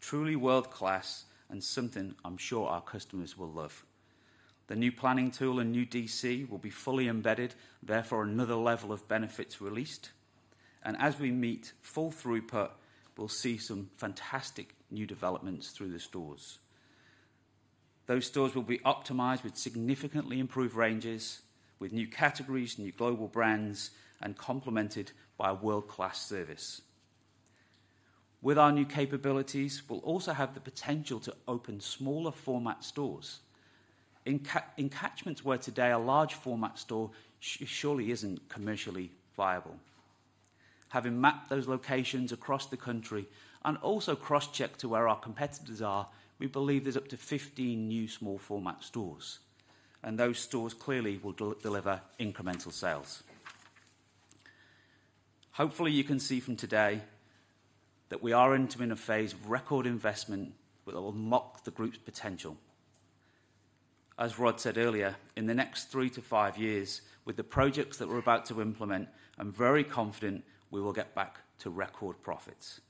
truly world-class and something I'm sure our customers will love. The new planning tool and new DC will be fully embedded, therefore another level of benefits released. As we meet full throughput, we'll see some fantastic new developments through the stores. Those stores will be optimized with significantly improved ranges, with new categories, new global brands, and complemented by a world-class service. With our new capabilities, we'll also have the potential to open smaller format stores. Encouragement to where today a large format store surely isn't commercially viable. Having mapped those locations across the country and also cross-checked to where our competitors are, we believe there's up to 15 new small format stores, and those stores clearly will deliver incremental sales. Hopefully, you can see from today that we are entering a phase of record investment that will unlock the group's potential. As Rod said earlier, in the next three to five years, with the projects that we're about to implement, I'm very confident we will get back to record profits.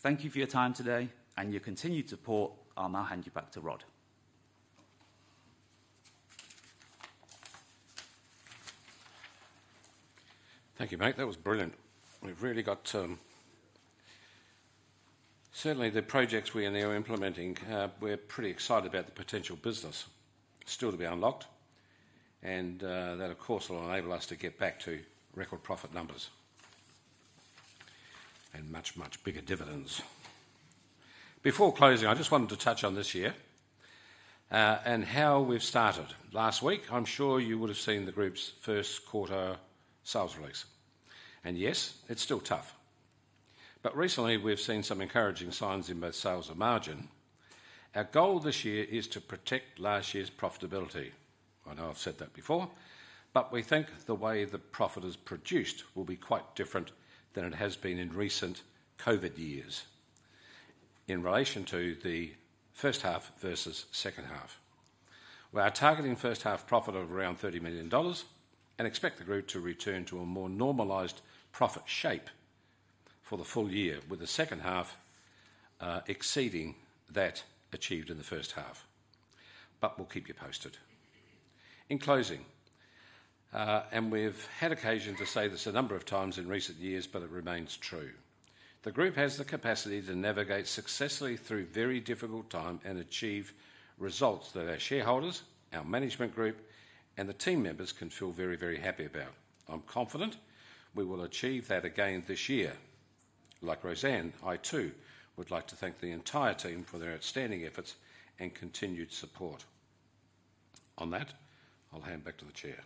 Thank you for your time today, and your continued support. I'll now hand you back to Rod. Thank you, mate. That was brilliant. We've really got certainly the projects we are now implementing, we're pretty excited about the potential business still to be unlocked, and that, of course, will enable us to get back to record profit numbers and much, much bigger dividends. Before closing, I just wanted to touch on this year and how we've started. Last week, I'm sure you would have seen the group's first quarter sales release. Yes, it's still tough. Recently, we've seen some encouraging signs in both sales and margin. Our goal this year is to protect last year's profitability. I know I've said that before, but we think the way the profit is produced will be quite different than it has been in recent COVID years in relation to the first half versus second half. We are targeting first half profit of around $30 million and expect the group to return to a more normalised profit shape for the full year, with the second half exceeding that achieved in the first half, but we'll keep you posted. In closing, and we've had occasion to say this a number of times in recent years, but it remains true, the group has the capacity to navigate successfully through very difficult times and achieve results that our shareholders, our management group, and the team members can feel very, very happy about. I'm confident we will achieve that again this year. Like Rosanne, I too would like to thank the entire team for their outstanding efforts and continued support. On that, I'll hand back to the chair.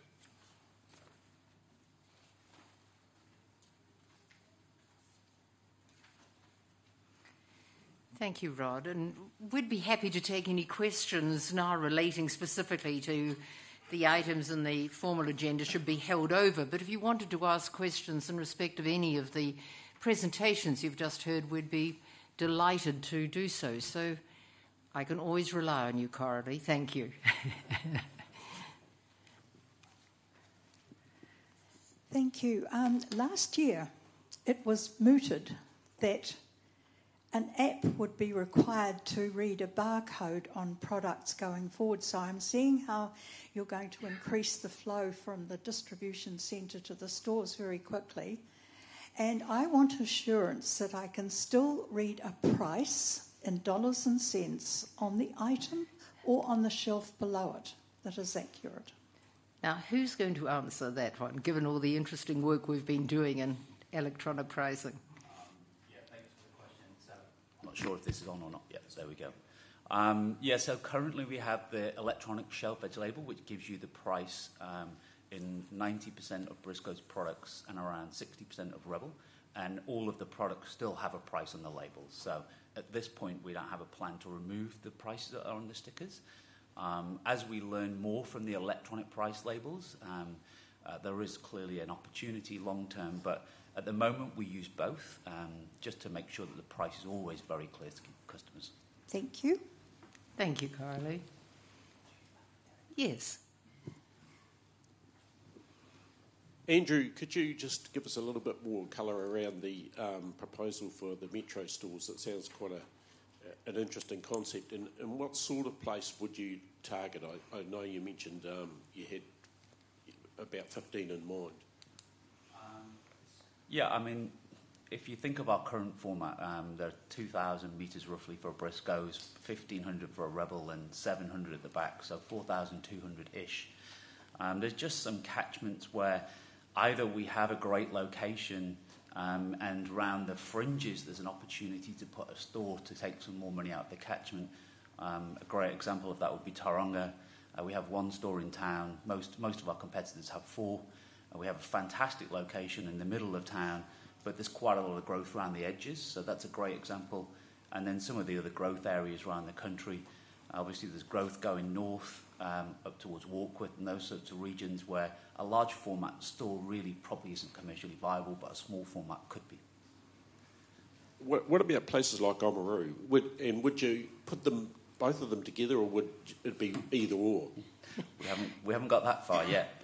Thank you, Rod. We would be happy to take any questions now relating specifically to the items in the formal agenda, which should be held over. If you wanted to ask questions in respect of any of the presentations you have just heard, we would be delighted to do so. I can always rely on you, Coralie. Thank you. Thank you. Last year, it was mooted that an app would be required to read a barcode on products going forward. I am seeing how you are going to increase the flow from the distribution centre to the stores very quickly. I want assurance that I can still read a price in dollars and cents on the item or on the shelf below it that is accurate. Now, who's going to answer that one, given all the interesting work we've been doing in electronic pricing? Yeah, thanks for the question. I'm not sure if this is on or not yet. There we go. Yeah, currently we have the electronic shelf edge label, which gives you the price in 90% of Briscoes products and around 60% of Rebel. All of the products still have a price on the label. At this point, we don't have a plan to remove the prices that are on the stickers. As we learn more from the electronic price labels, there is clearly an opportunity long term, but at the moment, we use both just to make sure that the price is always very clear to customers. Thank you. Thank you, Coralie. Yes. Andrew, could you just give us a little bit more color around the proposal for the Metro stores? That sounds quite an interesting concept. What sort of place would you target? I know you mentioned you had about 15 in mind. Yeah, I mean, if you think of our current format, there are 2,000 meters roughly for Briscoes, 1,500 for Rebel and 700 at the back, so 4,200-ish. There's just some catchments where either we have a great location and around the fringes, there's an opportunity to put a store to take some more money out of the catchment. A great example of that would be Tauranga. We have one store in town. Most of our competitors have four. We have a fantastic location in the middle of town, but there's quite a lot of growth around the edges. That's a great example. Some of the other growth areas around the country, obviously, there's growth going north up towards Warkworth and those sorts of regions where a large format store really probably isn't commercially viable, but a small format could be. Would it be at places like Oboru, and would you put both of them together, or would it be either/or? We haven't got that far yet.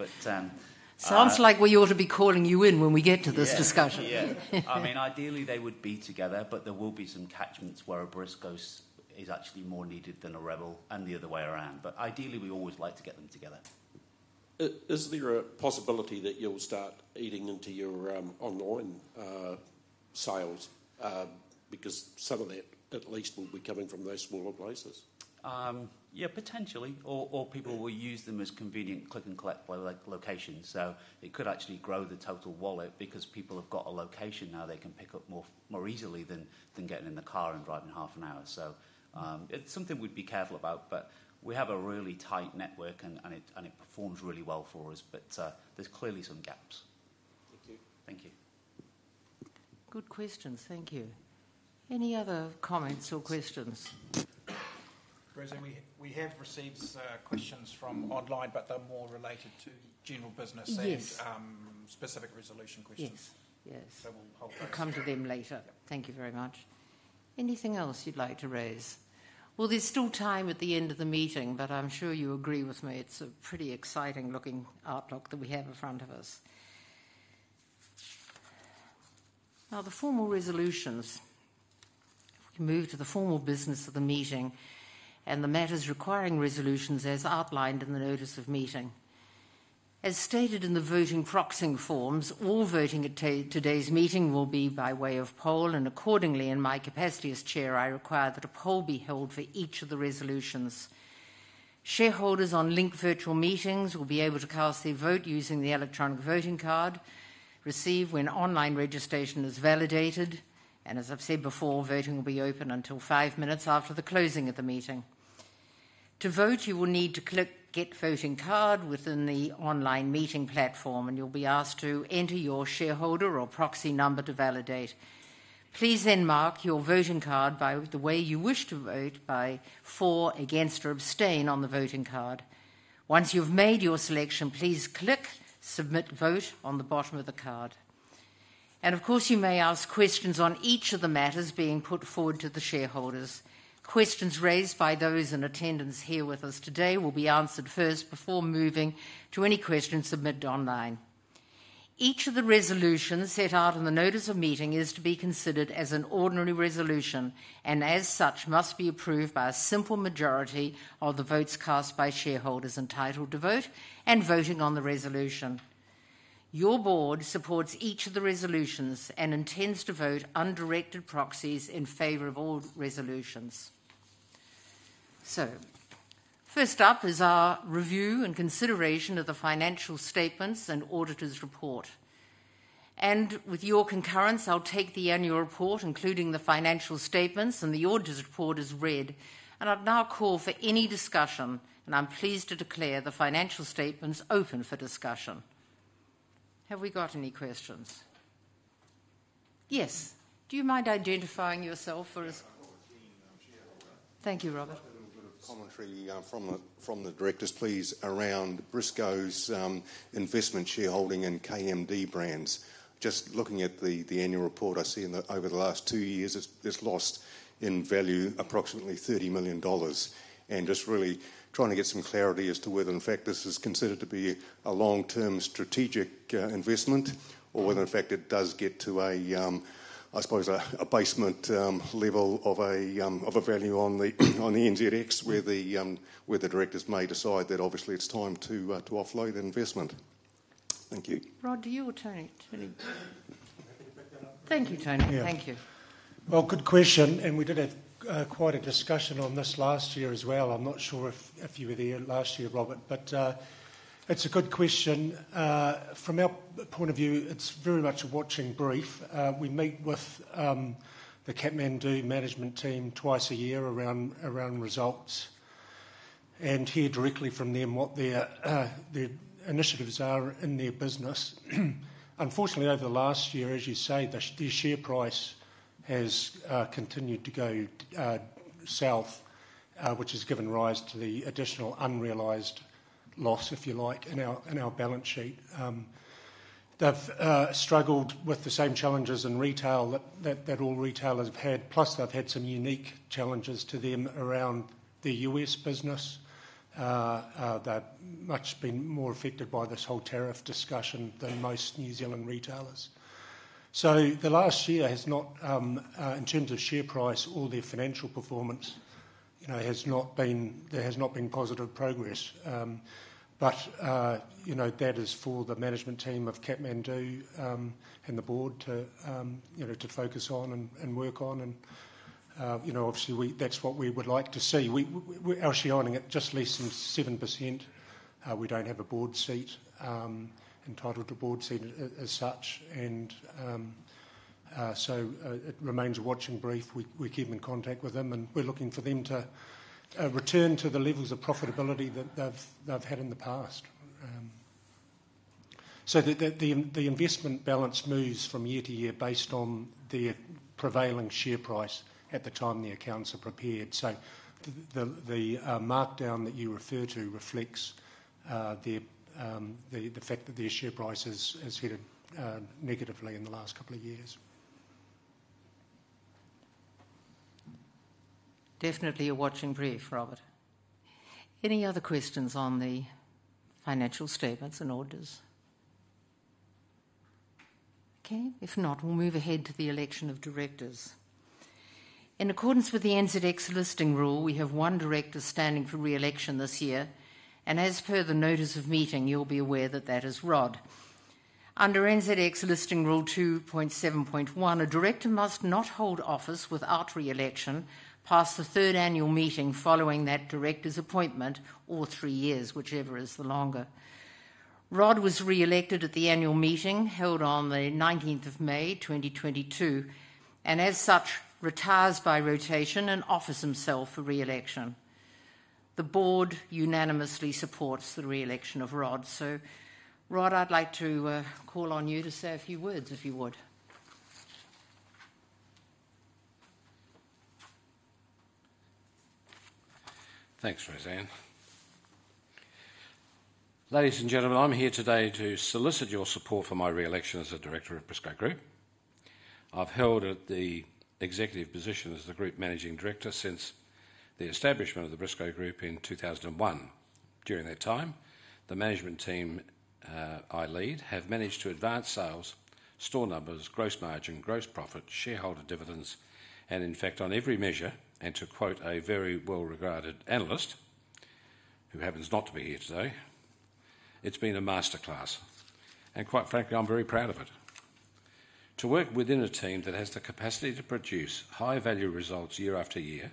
Sounds like we ought to be calling you in when we get to this discussion. Yeah. I mean, ideally, they would be together, but there will be some catchments where a Briscoes is actually more needed than a Rebel and the other way around. Ideally, we always like to get them together. Is there a possibility that you'll start eating into your online sales because some of that at least will be coming from those smaller places? Yeah, potentially. Or people will use them as convenient click-and-collect locations. It could actually grow the total wallet because people have got a location now they can pick up more easily than getting in the car and driving half an hour. It is something we would be careful about, but we have a really tight network and it performs really well for us, but there are clearly some gaps. Thank you. Thank you. Good questions. Thank you. Any other comments or questions? Rosanne, we have received questions from online, but they're more related to general business and specific resolution questions. Yes. Yes. We'll come to them later. Thank you very much. Anything else you'd like to raise? There is still time at the end of the meeting, but I'm sure you agree with me. It's a pretty exciting-looking outlook that we have in front of us. Now, the formal resolutions. We can move to the formal business of the meeting and the matters requiring resolutions as outlined in the notice of meeting. As stated in the voting proxy forms, all voting at today's meeting will be by way of poll, and accordingly, in my capacity as Chair, I require that a poll be held for each of the resolutions. Shareholders on linked virtual meetings will be able to cast their vote using the electronic voting card, received when online registration is validated, and as I've said before, voting will be open until five minutes after the closing of the meeting. To vote, you will need to click "Get Voting Card" within the online meeting platform, and you'll be asked to enter your shareholder or proxy number to validate. Please then mark your voting card by the way you wish to vote, by for, against, or abstain on the voting card. Once you've made your selection, please click "Submit Vote" on the bottom of the card. You may ask questions on each of the matters being put forward to the shareholders. Questions raised by those in attendance here with us today will be answered first before moving to any questions submitted online. Each of the resolutions set out in the notice of meeting is to be considered as an ordinary resolution and as such must be approved by a simple majority of the votes cast by shareholders entitled to vote and voting on the resolution. Your board supports each of the resolutions and intends to vote undirected proxies in favor of all resolutions. First up is our review and consideration of the financial statements and auditor's report. With your concurrence, I'll take the annual report, including the financial statements and the auditor's report, as read. I'll now call for any discussion. I'm pleased to declare the financial statements open for discussion. Have we got any questions? Yes. Do you mind identifying yourself? Thank you, Robert. A little bit of commentary from the directors, please, around Briscoes' investment shareholding and KMD Brands. Just looking at the annual report, I see over the last two years, it's lost in value approximately 30 million dollars. Just really trying to get some clarity as to whether, in fact, this is considered to be a long-term strategic investment or whether, in fact, it does get to, I suppose, a basement level of a value on the NZX where the directors may decide that obviously it's time to offload the investment. Thank you. Rod, do you or Tony? Thank you, Tony. Thank you. Good question. We did have quite a discussion on this last year as well. I'm not sure if you were there last year, Robert, but it's a good question. From our point of view, it's very much a watching brief. We meet with the KMD Brands management team twice a year around results and hear directly from them what their initiatives are in their business. Unfortunately, over the last year, as you say, the share price has continued to go south, which has given rise to the additional unrealized loss, if you like, in our balance sheet. They've struggled with the same challenges in retail that all retailers have had, plus they've had some unique challenges to them around their US business. They've much been more affected by this whole tariff discussion than most New Zealand retailers. The last year has not, in terms of share price or their financial performance, there has not been positive progress. That is for the management team of KMD Brands and the board to focus on and work on. Obviously, that's what we would like to see. We're actually earning at just less than 7%. We don't have a board seat entitled to a board seat as such. It remains a watching brief. We keep in contact with them, and we're looking for them to return to the levels of profitability that they've had in the past. The investment balance moves from year to year based on the prevailing share price at the time the accounts are prepared. The markdown that you refer to reflects the fact that their share price has headed negatively in the last couple of years. Definitely a watching brief, Robert. Any other questions on the financial statements and orders? Okay. If not, we'll move ahead to the election of directors. In accordance with the NZX listing rule, we have one director standing for re-election this year. As per the notice of meeting, you'll be aware that that is Rod. Under NZX listing rule 2.7.1, a director must not hold office without re-election past the third annual meeting following that director's appointment or three years, whichever is the longer. Rod was re-elected at the annual meeting held on the 19th of May, 2022, and as such, retires by rotation and offers himself for re-election. The board unanimously supports the re-election of Rod. Rod, I'd like to call on you to say a few words, if you would. Thanks, Rosanne. Ladies and gentlemen, I'm here today to solicit your support for my re-election as the director of Briscoe Group. I've held the executive position as the Group Managing Director since the establishment of the Briscoe Group in 2001. During that time, the management team I lead have managed to advance sales, store numbers, gross margin, gross profit, shareholder dividends, and in fact, on every measure, and to quote a very well-regarded analyst who happens not to be here today, it's been a masterclass. Quite frankly, I'm very proud of it. To work within a team that has the capacity to produce high-value results year after year,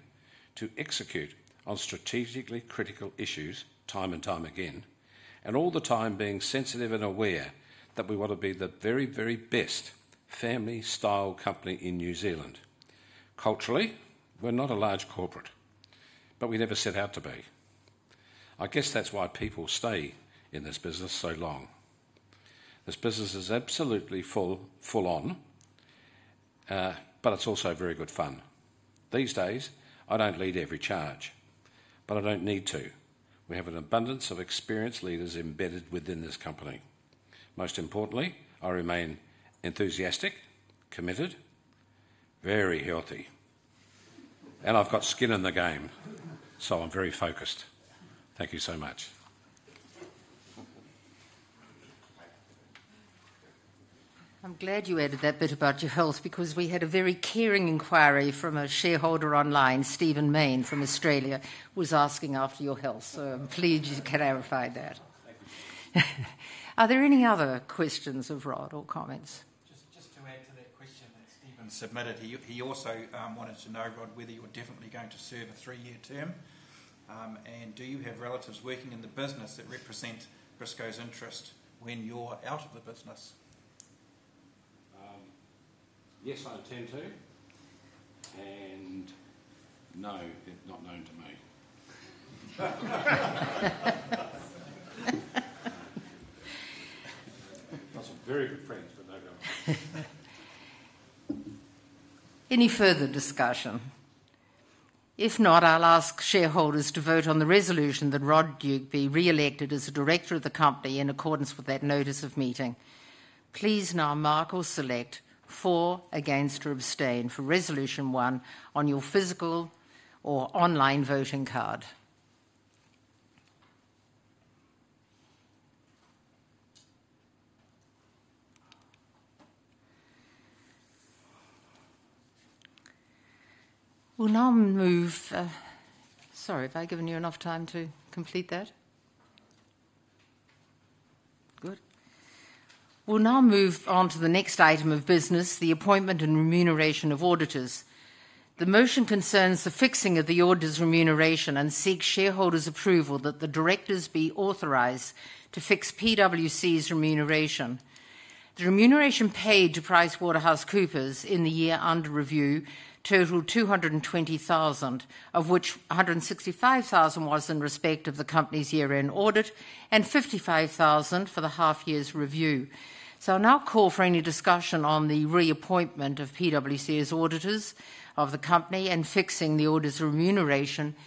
to execute on strategically critical issues time and time again, and all the time being sensitive and aware that we want to be the very, very best family-style company in New Zealand. Culturally, we're not a large corporate, but we never set out to be. I guess that's why people stay in this business so long. This business is absolutely full on, but it's also very good fun. These days, I don't lead every charge, but I don't need to. We have an abundance of experienced leaders embedded within this company. Most importantly, I remain enthusiastic, committed, very healthy, and I've got skin in the game, so I'm very focused. Thank you so much. I'm glad you added that bit about your health because we had a very caring inquiry from a shareholder online, Stephen Maine from Australia, who was asking after your health. So I'm pleased you clarified that. Are there any other questions of Rod or comments? Just to add to that question that Stephen submitted, he also wanted to know, Rod, whether you're definitely going to serve a three-year term. Do you have relatives working in the business that represent Briscoe's interest when you're out of the business? Yes, I intend to. No, not known to me. Those are very good friends, but no going. Any further discussion? If not, I'll ask shareholders to vote on the resolution that Rod Duke be re-elected as a director of the company in accordance with that notice of meeting. Please now mark or select for, against, or abstain for resolution one on your physical or online voting card. We'll now move—sorry, have I given you enough time to complete that? Good. We'll now move on to the next item of business, the appointment and remuneration of auditors. The motion concerns the fixing of the auditor's remuneration and seeks shareholders' approval that the directors be authorized to fix PwC's remuneration. The remuneration paid to PwC in the year under review totaled 220,000, of which 165,000 was in respect of the company's year-end audit and 55,000 for the half-year's review. I'll now call for any discussion on the reappointment of PwC as auditors of the company and fixing the auditor's remuneration to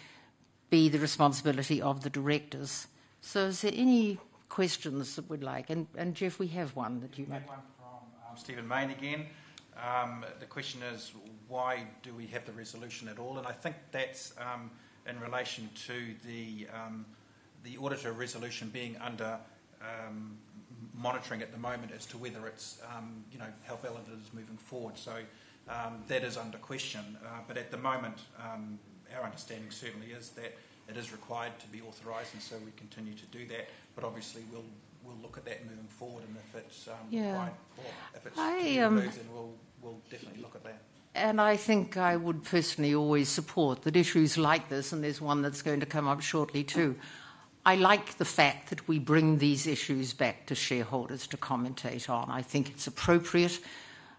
be the responsibility of the directors. Is there any questions that we'd like? Geoff, we have one that you might— We have one from Stephen Maine again. The question is, why do we have the resolution at all? I think that's in relation to the auditor resolution being under monitoring at the moment as to whether it's helping out auditors moving forward. That is under question. At the moment, our understanding certainly is that it is required to be authorized, and we continue to do that. Obviously, we'll look at that moving forward. If it's right or if it's something we lose, then we'll definitely look at that. I think I would personally always support that issues like this—and there is one that is going to come up shortly too—I like the fact that we bring these issues back to shareholders to commentate on. I think it is appropriate.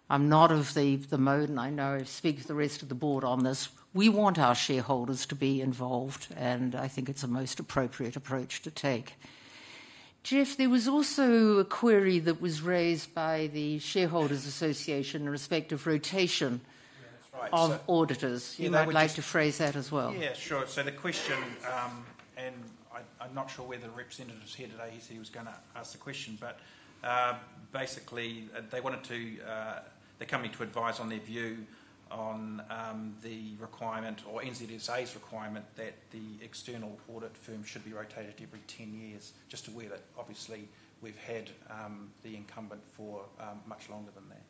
I am not of the mode, and I know I speak to the rest of the board on this. We want our shareholders to be involved, and I think it is the most appropriate approach to take. Geoff, there was also a query that was raised by the Shareholders Association in respect of rotation of auditors. I would like to phrase that as well. Yeah, sure. The question—and I'm not sure whether the representative's here today. He said he was going to ask the question—but basically, they wanted to—they're coming to advise on their view on the requirement or NZSA's requirement that the external audit firm should be rotated every 10 years, just to where that obviously we've had the incumbent for much longer than that.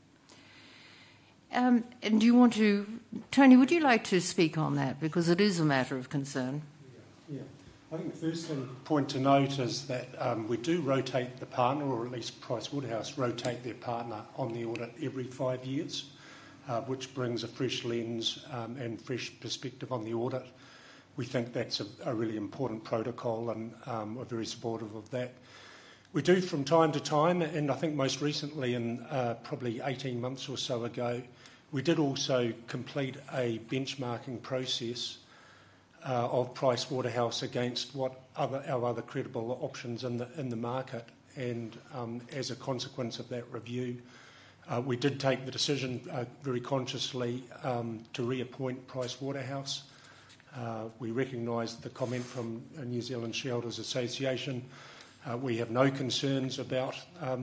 Tony, would you like to speak on that because it is a matter of concern? Yeah. I think the first thing point to note is that we do rotate the partner, or at least PricewaterhouseCoopers rotates their partner on the audit every five years, which brings a fresh lens and fresh perspective on the audit. We think that's a really important protocol, and we're very supportive of that. We do from time to time, and I think most recently, in probably 18 months or so ago, we did also complete a benchmarking process of PricewaterhouseCoopers against our other credible options in the market. As a consequence of that review, we did take the decision very consciously to reappoint PricewaterhouseCoopers. We recognise the comment from New Zealand Shareholders Association. We have no concerns about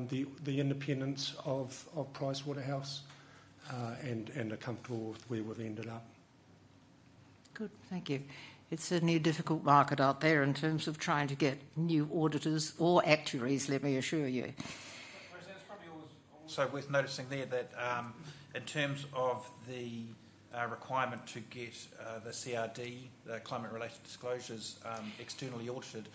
the independence of PricewaterhouseCoopers and are comfortable with where we've ended up. Good. Thank you. It's a new difficult market out there in terms of trying to get new auditors or actuaries, let me assure you. Worth noticing there that in terms of the requirement to get the CRD, the climate-related disclosures, externally audited,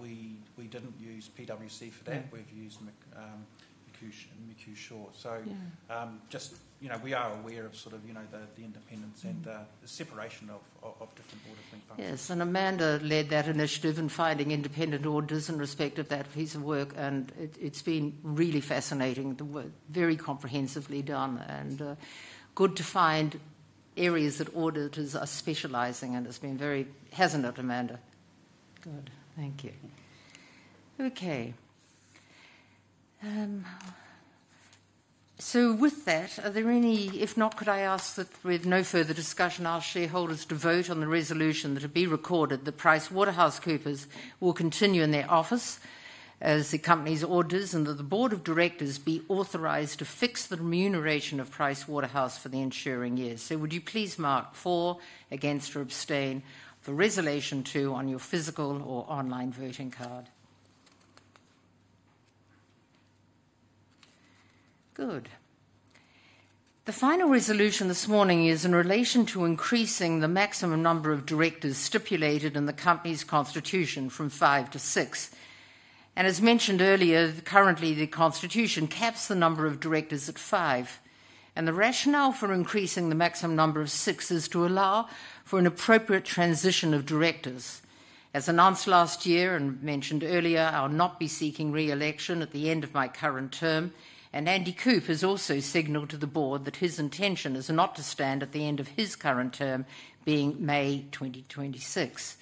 we did not use PwC for that. We have used Miku and Miku Shaw. Just we are aware of the independence and the separation of different board of think tanks. Yes. Amanda led that initiative in finding independent auditors in respect of that piece of work, and it's been really fascinating. Very comprehensively done. Good to find areas that auditors are specializing, and it's been very—hasn't it, Amanda? Good. Thank you. Okay. With that, are there any—if not, could I ask that with no further discussion, our shareholders vote on the resolution that it be recorded that PricewaterhouseCoopers will continue in their office as the company's auditors and that the board of directors be authorized to fix the remuneration of PricewaterhouseCoopers for the ensuing years? Would you please mark for, against, or abstain for resolution two on your physical or online voting card? Good. The final resolution this morning is in relation to increasing the maximum number of directors stipulated in the company's constitution from five to six. As mentioned earlier, currently, the constitution caps the number of directors at five. The rationale for increasing the maximum number to six is to allow for an appropriate transition of directors. As announced last year and mentioned earlier, I'll not be seeking re-election at the end of my current term. Andy Coupe has also signaled to the board that his intention is not to stand at the end of his current term, being May 2026.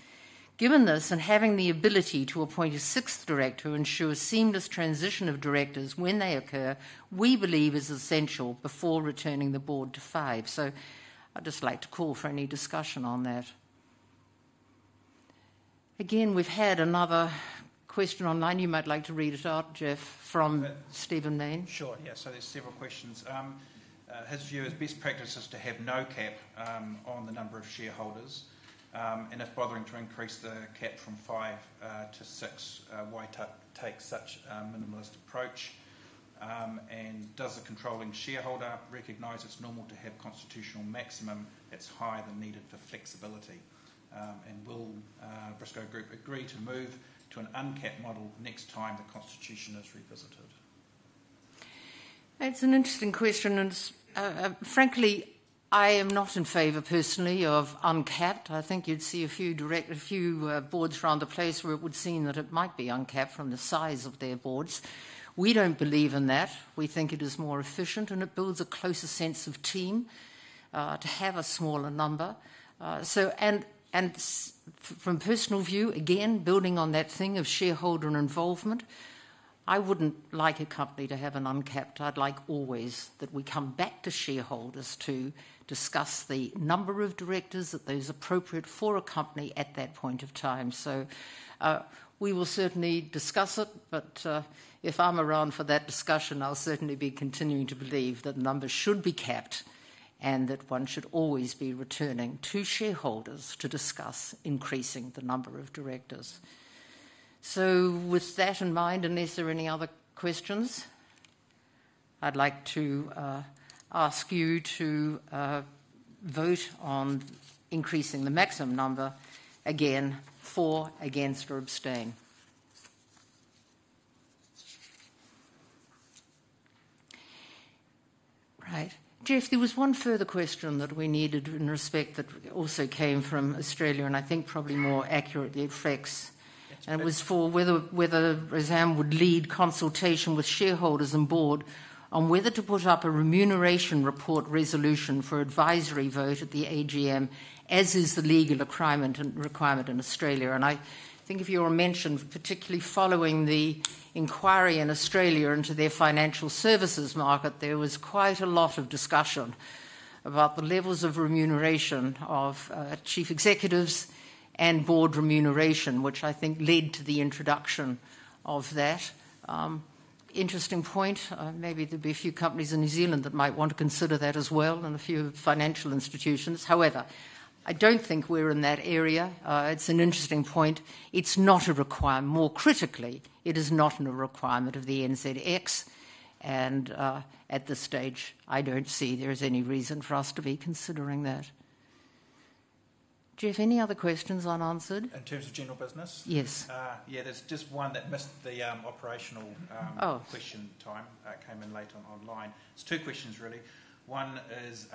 Given this and having the ability to appoint a sixth director who ensures seamless transition of directors when they occur, we believe is essential before returning the board to five. I'd just like to call for any discussion on that. Again, we've had another question online. You might like to read it out, Geoff, from Stephen Maine. Sure. Yeah. So there's several questions. His view is best practice is to have no cap on the number of shareholders. If bothering to increase the cap from five to six, why take such a minimalist approach? Does the controlling shareholder recognize it's normal to have constitutional maximum that's higher than needed for flexibility? Will Briscoe Group agree to move to an uncapped model next time the constitution is revisited? It's an interesting question. Frankly, I am not in favor personally of uncapped. I think you'd see a few boards around the place where it would seem that it might be uncapped from the size of their boards. We do not believe in that. We think it is more efficient, and it builds a closer sense of team to have a smaller number. From a personal view, again, building on that thing of shareholder involvement, I would not like a company to have an uncapped. I would like always that we come back to shareholders to discuss the number of directors that is appropriate for a company at that point of time. We will certainly discuss it, but if I'm around for that discussion, I'll certainly be continuing to believe that numbers should be capped and that one should always be returning to shareholders to discuss increasing the number of directors. With that in mind, unless there are any other questions, I'd like to ask you to vote on increasing the maximum number again for, against, or abstain. Right. Geoff, there was one further question that we needed in respect that also came from Australia, and I think probably more accurately it flex. It was for whether Rosanne would lead consultation with shareholders and board on whether to put up a remuneration report resolution for advisory vote at the AGM, as is the legal requirement in Australia. I think if you were to mention, particularly following the inquiry in Australia into their financial services market, there was quite a lot of discussion about the levels of remuneration of chief executives and board remuneration, which I think led to the introduction of that. Interesting point. Maybe there will be a few companies in New Zealand that might want to consider that as well and a few financial institutions. However, I do not think we are in that area. It is an interesting point. It is not a requirement. More critically, it is not a requirement of the NZX. At this stage, I do not see there is any reason for us to be considering that. Geoff, any other questions unanswered? In terms of general business? Yes. Yeah. There is just one that missed the operational question time. It came in late online. There are two questions, really. One is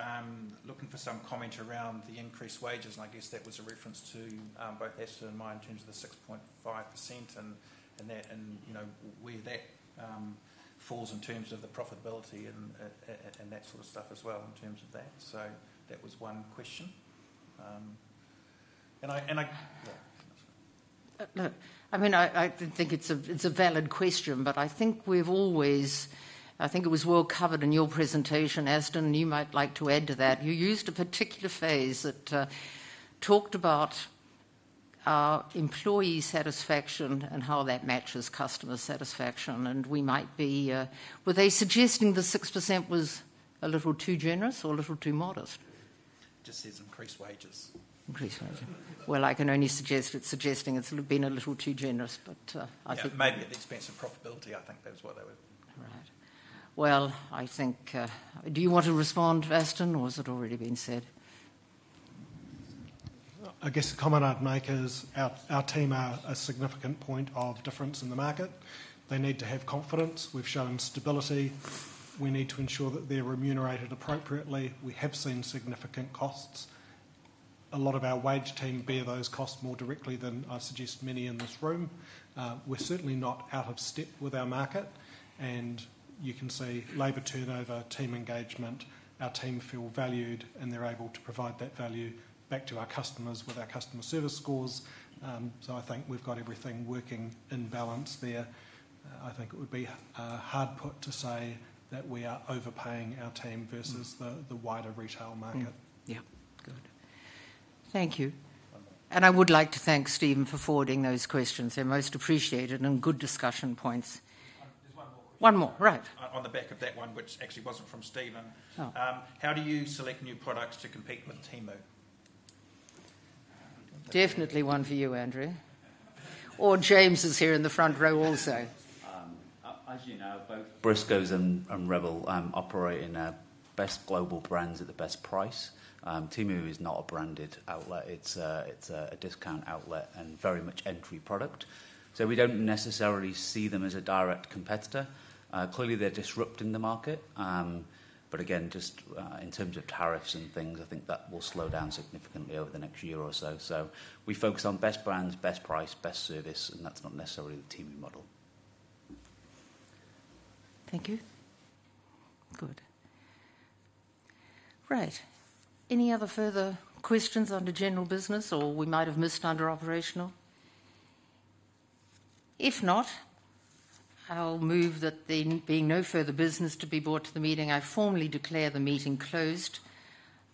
looking for some comment around the increased wages, and I guess that was a reference to both Esther and my in terms of the 6.5% and where that falls in terms of the profitability and that sort of stuff as well in terms of that. That was one question. And I—yeah. I mean, I think it's a valid question, but I think we've always—I think it was well covered in your presentation, Aston, and you might like to add to that. You used a particular phrase that talked about employee satisfaction and how that matches customer satisfaction. We might be—were they suggesting the 6% was a little too generous or a little too modest? Just as increased wages. Increased wages. I can only suggest it's suggesting it's been a little too generous, but I think— Yeah. Maybe it's been some profitability. I think that was what they were— Right. I think—do you want to respond, Aston, or has it already been said? I guess the comment I'd make is our team are a significant point of difference in the market. They need to have confidence. We've shown stability. We need to ensure that they're remunerated appropriately. We have seen significant costs. A lot of our wage team bear those costs more directly than I suggest many in this room. We're certainly not out of step with our market. You can see labour turnover, team engagement. Our team feel valued, and they're able to provide that value back to our customers with our customer service scores. I think we've got everything working in balance there. I think it would be hard put to say that we are overpaying our team versus the wider retail market. Yeah. Good. Thank you. I would like to thank Stephen for forwarding those questions. They're most appreciated and good discussion points. There's one more question. One more. Right. On the back of that one, which actually wasn't from Stephen, how do you select new products to compete with Temu? Definitely one for you, Andrew. Or James is here in the front row also. As you know, both Briscoes and Rebel operate in best global brands at the best price. Temu is not a branded outlet. It's a discount outlet and very much entry product. We don't necessarily see them as a direct competitor. Clearly, they're disrupting the market. Again, just in terms of tariffs and things, I think that will slow down significantly over the next year or so. We focus on best brands, best price, best service, and that's not necessarily the Temu model. Thank you. Good. Right. Any other further questions under general business or we might have missed under operational? If not, I'll move that there being no further business to be brought to the meeting, I formally declare the meeting closed.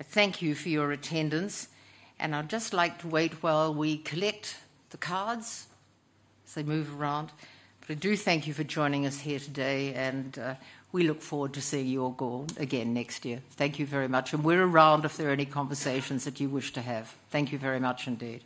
Thank you for your attendance. I'd just like to wait while we collect the cards as they move around. I do thank you for joining us here today, and we look forward to seeing you all again next year. Thank you very much. We're around if there are any conversations that you wish to have. Thank you very much indeed.